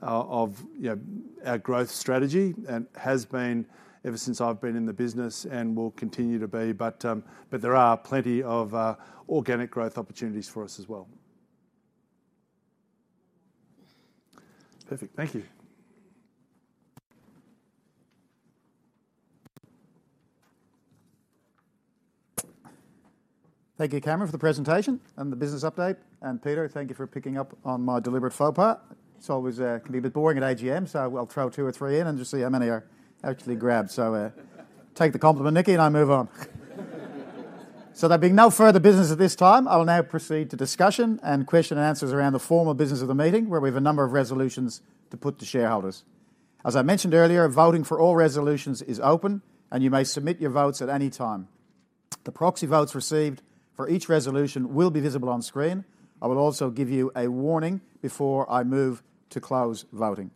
part of, you know, our growth strategy and has been ever since I've been in the business and will continue to be, but there are plenty of organic growth opportunities for us as well. Perfect. Thank you. Thank you, Cameron, for the presentation and the business update. And Peter, thank you for picking up on my deliberate faux pas. It's always, can be a bit boring at AGM, so I'll throw two or three in and just see how many are actually grabbed. So, take the compliment, Nikki, and I move on. So there being no further business at this time, I will now proceed to discussion and question and answers around the formal business of the meeting, where we have a number of resolutions to put to shareholders. As I mentioned earlier, voting for all resolutions is open, and you may submit your votes at any time. The proxy votes received for each resolution will be visible on screen. I will also give you a warning before I move to close voting.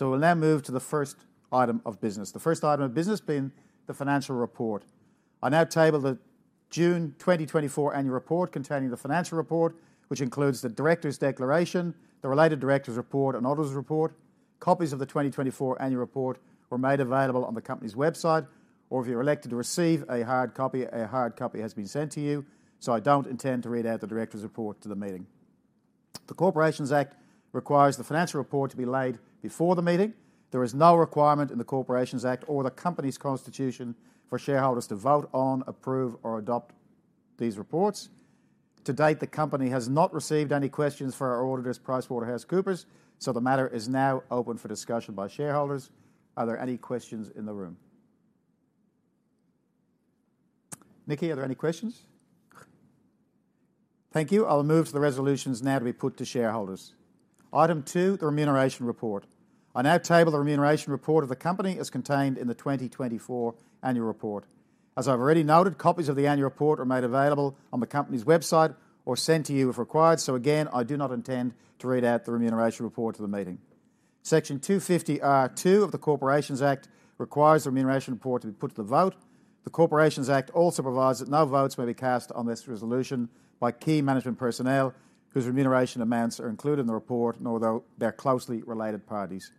We'll now move to the first item of business, the first item of business being the financial report. I now table the June 2024 annual report containing the financial report, which includes the directors' declaration, the related directors' report, and auditors' report. Copies of the 2024 Annual Report were made available on the company's website, or if you're elected to receive a hard copy, a hard copy has been sent to you, so I don't intend to read out the directors' report to the meeting. The Corporations Act requires the financial report to be laid before the meeting. There is no requirement in the Corporations Act or the company's constitution for shareholders to vote on, approve, or adopt these reports. To date, the company has not received any questions for our auditors, PricewaterhouseCoopers, so the matter is now open for discussion by shareholders. Are there any questions in the room? Nikki, are there any questions? Thank you. I'll move to the resolutions now to be put to shareholders. Item two, the remuneration report. I now table the remuneration report of the company as contained in the 2024 annual report. As I've already noted, copies of the annual report are made available on the company's website or sent to you if required. So again, I do not intend to read out the remuneration report to the meeting. Section 250R(2) of the Corporations Act requires the remuneration report to be put to the vote. The Corporations Act also provides that no votes may be cast on this resolution by key management personnel whose remuneration amounts are included in the report, nor by their closely related parties.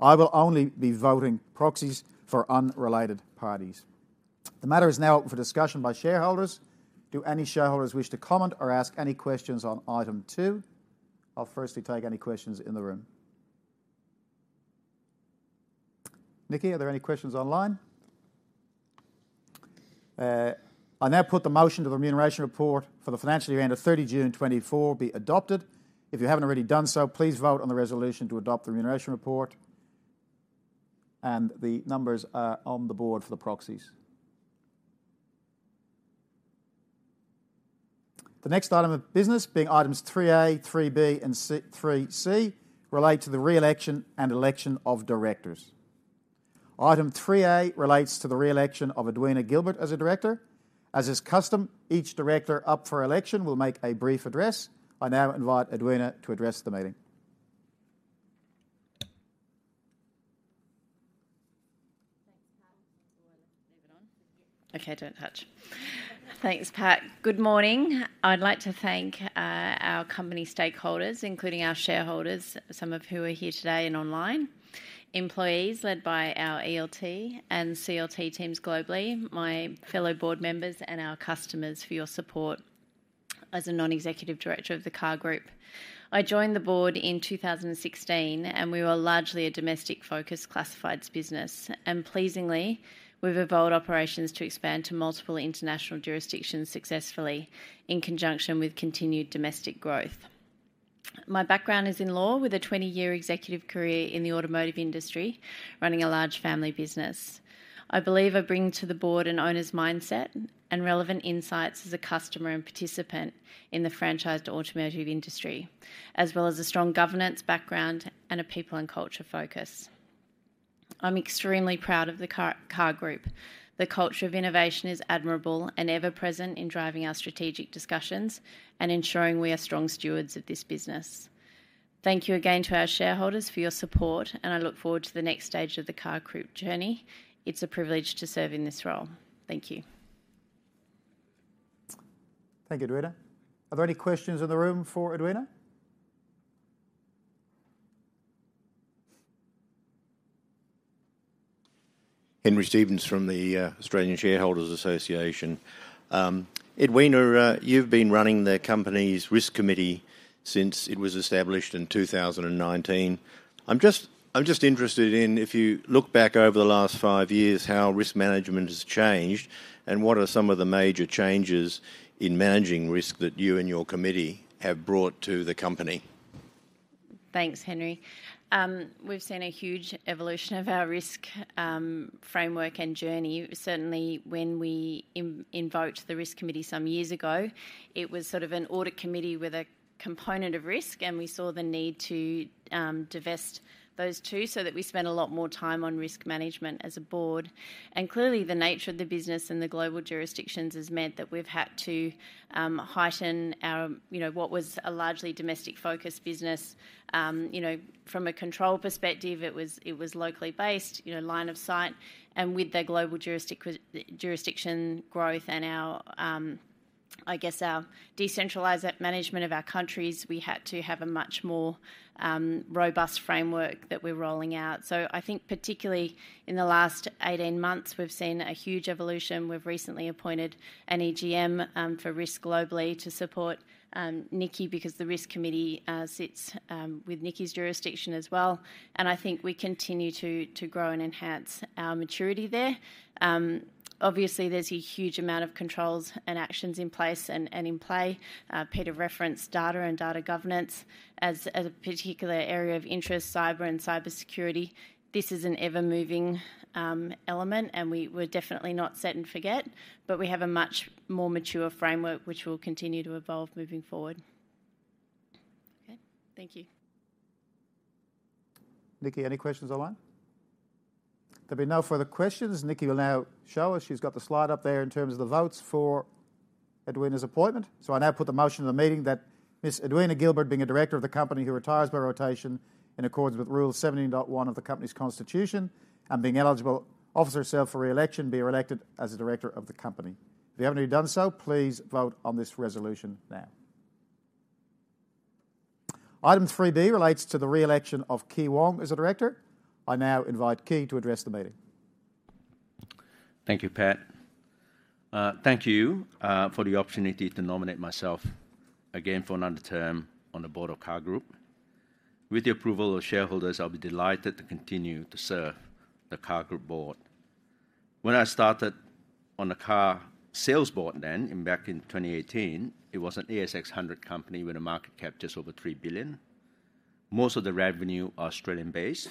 I will only be voting proxies for unrelated parties. The matter is now open for discussion by shareholders. Do any shareholders wish to comment or ask any questions on Item two? I'll firstly take any questions in the room. Nikki, are there any questions online? I now put the motion to the remuneration report for the financial year end of 30 June 2024 be adopted. If you haven't already done so, please vote on the resolution to adopt the remuneration report, and the numbers are on the board for the proxies. The next item of business, being items three A, three B, and three C, relate to the re-election and election of directors. Item three A relates to the re-election of Edwina Gilbert as a director. As is custom, each director up for election will make a brief address. I now invite Edwina to address the meeting. Thanks, Pat. Leave it on? Okay, don't touch. Thanks, Pat. Good morning. I'd like to thank our company stakeholders, including our shareholders, some of who are here today and online, employees, led by our ELT and CLT teams globally, my fellow board members, and our customers for your support as a non-executive director of the CAR Group. I joined the board in two thousand and sixteen, and we were largely a domestic-focused classifieds business, and pleasingly, we've evolved operations to expand to multiple international jurisdictions successfully in conjunction with continued domestic growth. My background is in law, with a twenty-year executive career in the automotive industry, running a large family business. I believe I bring to the board an owner's mindset and relevant insights as a customer and participant in the franchised automotive industry, as well as a strong governance background and a people and culture focus. I'm extremely proud of the CAR Group. The culture of innovation is admirable and ever-present in driving our strategic discussions and ensuring we are strong stewards of this business. Thank you again to our shareholders for your support, and I look forward to the next stage of the CAR Group journey. It's a privilege to serve in this role. Thank you. Thank you, Edwina. Are there any questions in the room for Edwina? Henry Stephens from the Australian Shareholders' Association. Edwina, you've been running the company's risk committee since it was established in two thousand and nineteen. I'm just interested in, if you look back over the last five years, how risk management has changed, and what are some of the major changes in managing risk that you and your committee have brought to the company? Thanks, Henry. We've seen a huge evolution of our risk framework and journey. Certainly, when we invoked the risk committee some years ago, it was sort of an audit committee with a component of risk, and we saw the need to divest those two so that we spent a lot more time on risk management as a board. And clearly, the nature of the business and the global jurisdictions has meant that we've had to heighten our, you know, what was a largely domestic-focused business. You know, from a control perspective, it was locally based, you know, line of sight, and with the global jurisdiction growth and our, I guess, our decentralized management of our countries, we had to have a much more robust framework that we're rolling out. So I think particularly in the last eighteen months, we've seen a huge evolution. We've recently appointed an EGM for risk globally to support Nikki, because the risk committee sits with Nikki's jurisdiction as well, and I think we continue to grow and enhance our maturity there. Obviously, there's a huge amount of controls and actions in place and in play. Peter referenced data and data governance as a particular area of interest, cyber and cybersecurity. This is an ever-moving element, and we're definitely not set and forget, but we have a much more mature framework, which will continue to evolve moving forward. Okay, thank you. Nikki, any questions online? There'll be no further questions. Nikki will now show us. She's got the slide up there in terms of the votes for Edwina's appointment. So I now put the motion of the meeting that Ms. Edwina Gilbert, being a director of the company, who retires by rotation in accordance with Rule 17.1 of the company's constitution, and being eligible, offers herself for re-election, be re-elected as a director of the company. If you haven't already done so, please vote on this resolution now. Item 3B relates to the re-election of Kee Wong as a director. I now invite Kee to address the meeting. Thank you, Pat. Thank you for the opportunity to nominate myself again for another term on the board of CAR Group. With the approval of shareholders, I'll be delighted to continue to serve the CAR Group board. When I started on the carsales board then, back in 2018, it was an ASX 100 company with a market cap just over 3 billion. Most of the revenue are Australian-based.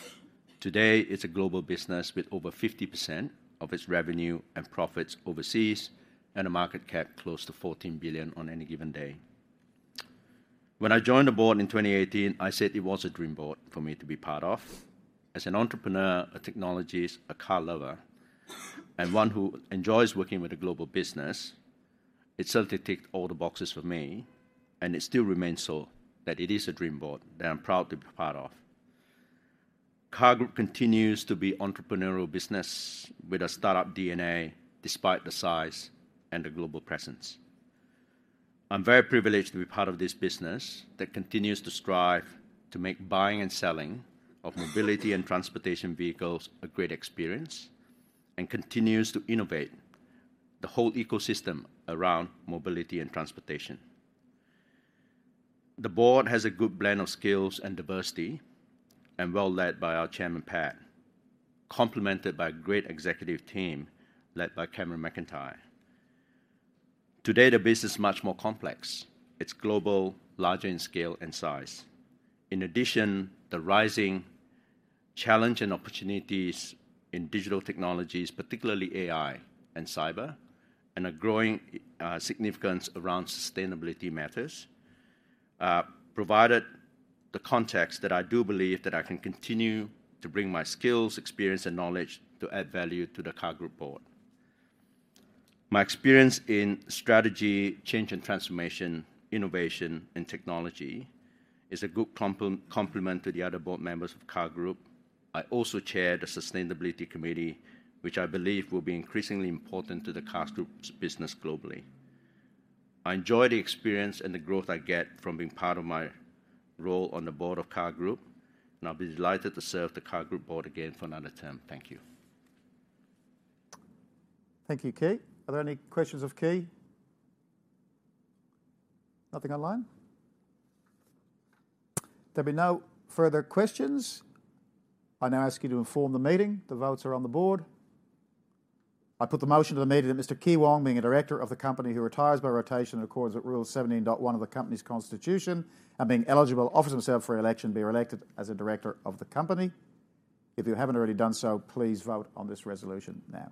Today, it's a global business with over 50% of its revenue and profits overseas and a market cap close to 14 billion on any given day. When I joined the board in 2018, I said it was a dream board for me to be part of. As an entrepreneur, a technologist, a car lover, and one who enjoys working with a global business, it certainly ticked all the boxes for me, and it still remains so, that it is a dream board that I'm proud to be part of. CAR Group continues to be entrepreneurial business with a start-up DNA, despite the size and the global presence. I'm very privileged to be part of this business that continues to strive to make buying and selling of mobility and transportation vehicles a great experience and continues to innovate the whole ecosystem around mobility and transportation. The board has a good blend of skills and diversity, and well led by our chairman, Pat, complemented by a great executive team led by Cameron McIntyre. Today, the business is much more complex. It's global, larger in scale and size. In addition, the rising challenge and opportunities in digital technologies, particularly AI and cyber, and a growing significance around sustainability matters provided the context that I do believe that I can continue to bring my skills, experience, and knowledge to add value to the CAR Group board. My experience in strategy, change and transformation, innovation, and technology is a good complement to the other board members of CAR Group. I also chair the Sustainability Committee, which I believe will be increasingly important to the CAR Group's business globally. I enjoy the experience and the growth I get from being part of my role on the board of CAR Group, and I'll be delighted to serve the CAR Group board again for another term. Thank you. Thank you, Kee. Are there any questions of Kee? Nothing online? If there'll be no further questions, I now ask you to inform the meeting. The votes are on the board. I put the motion to the meeting that Mr. Kee Wong, being a director of the company, who retires by rotation in accordance with Rule 17.1 of the company's constitution, and being eligible, offers himself for re-election, be re-elected as a director of the company. If you haven't already done so, please vote on this resolution now.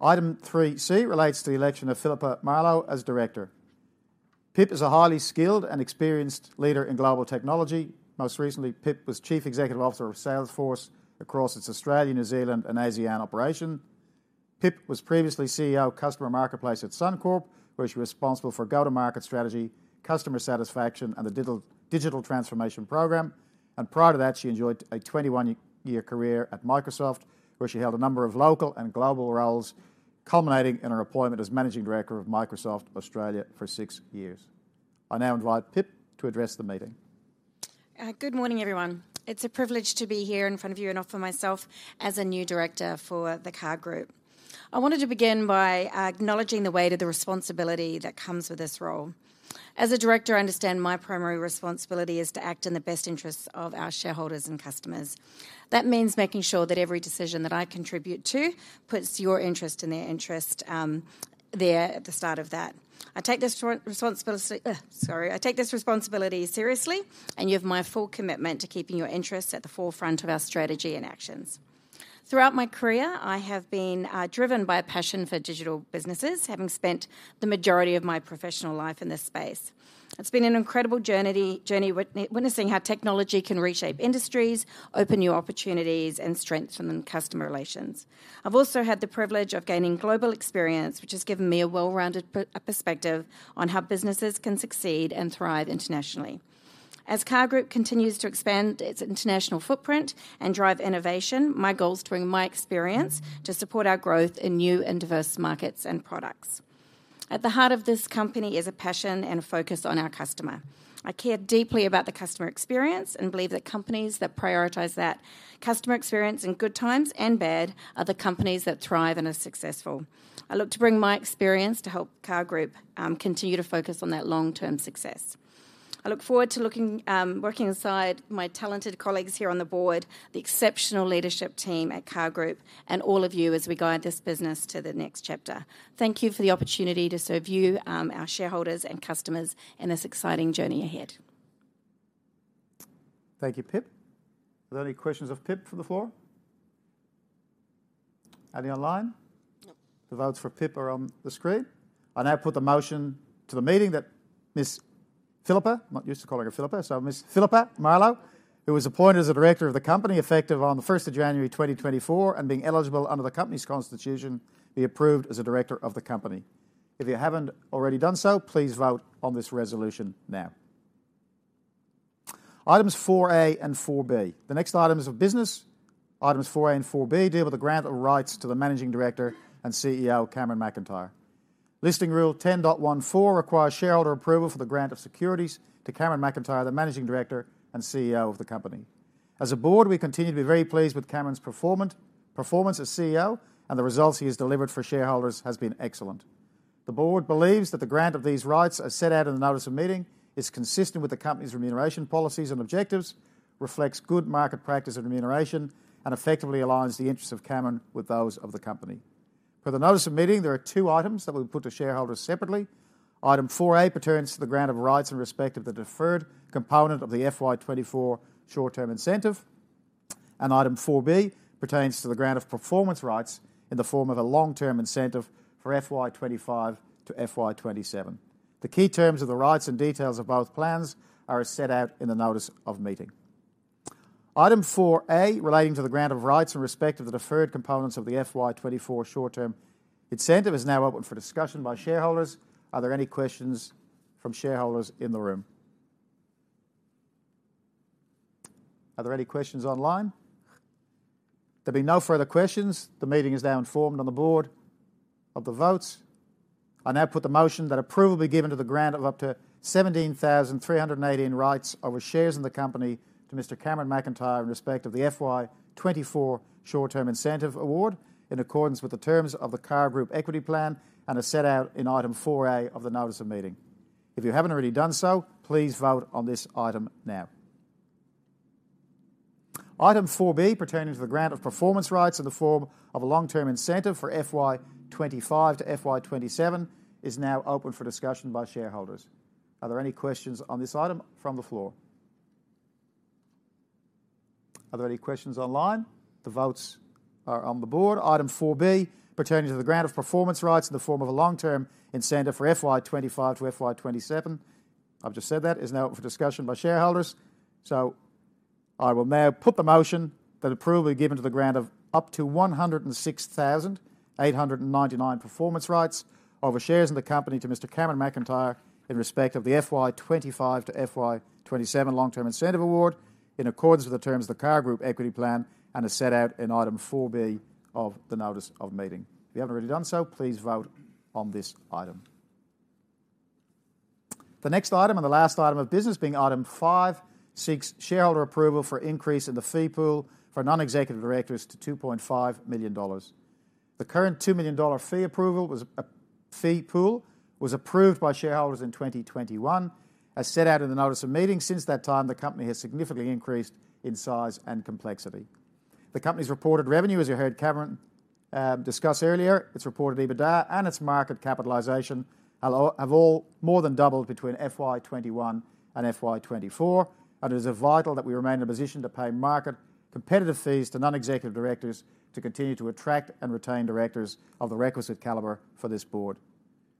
Item three C relates to the election of Philippa Marlow as director. Pip is a highly skilled and experienced leader in global technology. Most recently, Pip was Chief Executive Officer of Salesforce across its Australia, New Zealand, and ASEAN operation. Pip was previously CEO of Customer Marketplace at Suncorp, where she was responsible for go-to-market strategy, customer satisfaction, and the digital transformation program. And prior to that, she enjoyed a 21-year career at Microsoft, where she held a number of local and global roles, culminating in her appointment as Managing Director of Microsoft Australia for six years. I now invite Pip to address the meeting. Good morning, everyone. It's a privilege to be here in front of you and offer myself as a new director for the CAR Group. I wanted to begin by acknowledging the weight of the responsibility that comes with this role. As a director, I understand my primary responsibility is to act in the best interests of our shareholders and customers. That means making sure that every decision that I contribute to puts your interest and their interest there at the start of that. I take this responsibility seriously, and you have my full commitment to keeping your interests at the forefront of our strategy and actions. Throughout my career, I have been driven by a passion for digital businesses, having spent the majority of my professional life in this space. It's been an incredible journey witnessing how technology can reshape industries, open new opportunities, and strengthen customer relations. I've also had the privilege of gaining global experience, which has given me a well-rounded perspective on how businesses can succeed and thrive internationally. As CAR Group continues to expand its international footprint and drive innovation, my goal is to bring my experience to support our growth in new and diverse markets and products. At the heart of this company is a passion and a focus on our customer. I care deeply about the customer experience and believe that companies that prioritize that customer experience in good times and bad, are the companies that thrive and are successful. I look to bring my experience to help CAR Group continue to focus on that long-term success. I look forward to looking, working inside my talented colleagues here on the board, the exceptional leadership team at CAR Group, and all of you as we guide this business to the next chapter. Thank you for the opportunity to serve you, our shareholders and customers, in this exciting journey ahead. Thank you, Pip. Are there any questions of Pip from the floor? Any online? No. The votes for Pip are on the screen. I now put the motion to the meeting that Ms. Philippa, I'm not used to calling her Philippa, so Ms. Philippa Marlow, who was appointed as a director of the company effective on the first of January 2024, and being eligible under the company's constitution, be approved as a director of the company. If you haven't already done so, please vote on this resolution now. Items four A and four B. The next items of business, items four A and four B, deal with the grant of rights to the Managing Director and CEO, Cameron McIntyre. Listing rule 10.14 requires shareholder approval for the grant of securities to Cameron McIntyre, the Managing Director and CEO of the company. As a board, we continue to be very pleased with Cameron's performance as CEO, and the results he has delivered for shareholders has been excellent. The board believes that the grant of these rights, as set out in the notice of meeting, is consistent with the company's remuneration policies and objectives, reflects good market practice and remuneration, and effectively aligns the interests of Cameron with those of the company. Per the notice of meeting, there are two items that will be put to shareholders separately. Item four A pertains to the grant of rights in respect of the deferred component of the FY 2024 short-term incentive, and item four B pertains to the grant of performance rights in the form of a long-term incentive for FY 2025 to FY 2027. The key terms of the rights and details of both plans are as set out in the notice of meeting. Item four A, relating to the grant of rights in respect of the deferred components of the FY 2024 short-term incentive, is now open for discussion by shareholders. Are there any questions from shareholders in the room? Are there any questions online? There'll be no further questions. The meeting is now informed on the board of the votes. I now put the motion that approval be given to the grant of up to seventeen thousand three hundred and eighteen rights over shares in the company to Mr. Cameron McIntyre in respect of the FY 2024 short-term incentive award, in accordance with the terms of the CAR Group Equity Plan and as set out in item four A of the notice of meeting. If you haven't already done so, please vote on this item now. Item 4B, pertaining to the grant of performance rights in the form of a long-term incentive for FY 2025 to FY 2027, is now open for discussion by shareholders. Are there any questions on this item from the floor? Are there any questions online? The votes are on the board. Item 4B, pertaining to the grant of performance rights in the form of a long-term incentive for FY 2025 to FY 2027, I've just said that, is now open for discussion by shareholders. So I will now put the motion that approval be given to the grant of up to 106,899 performance rights over shares in the company to Mr. Cameron McIntyre in respect of the FY 2025 to FY 2027 long-term incentive award, in accordance with the terms of the CAR Group Equity Plan and as set out in item 4B of the notice of meeting. If you haven't already done so, please vote on this item. The next item, and the last item of business, being item 5, seeks shareholder approval for increase in the fee pool for non-executive directors to 2.5 million dollars. The current 2 million dollar fee pool was approved by shareholders in 2021. As set out in the notice of meeting, since that time, the company has significantly increased in size and complexity. The company's reported revenue, as you heard Cameron discuss earlier, its reported EBITDA and its market capitalization have all more than doubled between FY 2021 and FY 2024, and it is vital that we remain in a position to pay market competitive fees to non-executive directors to continue to attract and retain directors of the requisite caliber for this board.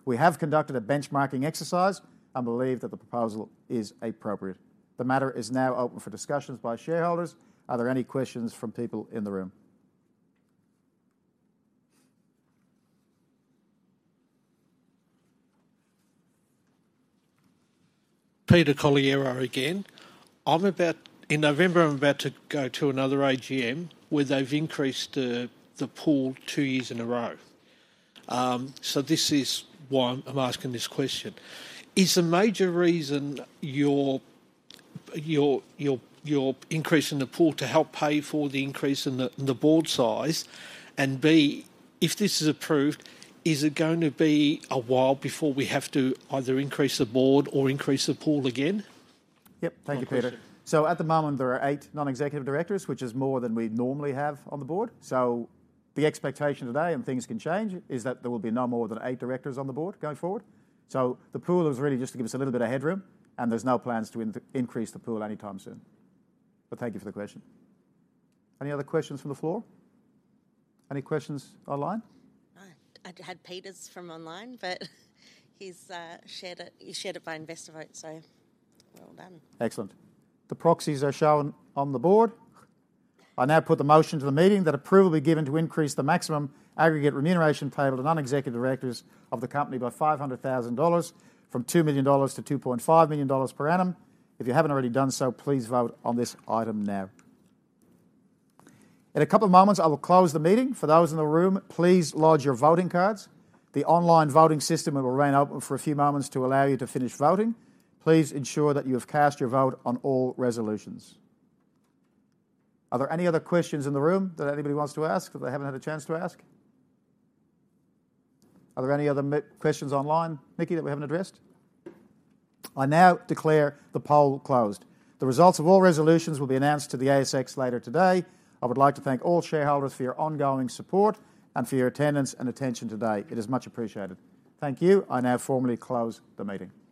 We have conducted a benchmarking exercise and believe that the proposal is appropriate. The matter is now open for discussions by shareholders. Are there any questions from people in the room? Peter Collier again. In November, I'm about to go to another AGM where they've increased the pool two years in a row. So this is why I'm asking this question: Is the major reason your increase in the pool to help pay for the increase in the board size? And B, if this is approved, is it going to be a while before we have to either increase the board or increase the pool again? Yep. Thank you, Peter. So at the moment, there are eight non-executive directors, which is more than we normally have on the board. So the expectation today, and things can change, is that there will be no more than eight directors on the board going forward. So the pool is really just to give us a little bit of headroom, and there's no plans to increase the pool anytime soon. But thank you for the question. Any other questions from the floor? Any questions online? No. I had Peter's from online, but he's shared it. He shared it by investor vote, so well done. Excellent. The proxies are shown on the board. I now put the motion to the meeting that approval be given to increase the maximum aggregate remuneration payable to non-executive directors of the company by 500,000 dollars, from 2 million dollars to 2.5 million dollars per annum. If you haven't already done so, please vote on this item now. In a couple of moments, I will close the meeting. For those in the room, please lodge your voting cards. The online voting system will remain open for a few moments to allow you to finish voting. Please ensure that you have cast your vote on all resolutions. Are there any other questions in the room that anybody wants to ask, that they haven't had a chance to ask? Are there any other more questions online, Nikki, that we haven't addressed? I now declare the poll closed. The results of all resolutions will be announced to the ASX later today. I would like to thank all shareholders for your ongoing support and for your attendance and attention today. It is much appreciated. Thank you. I now formally close the meeting.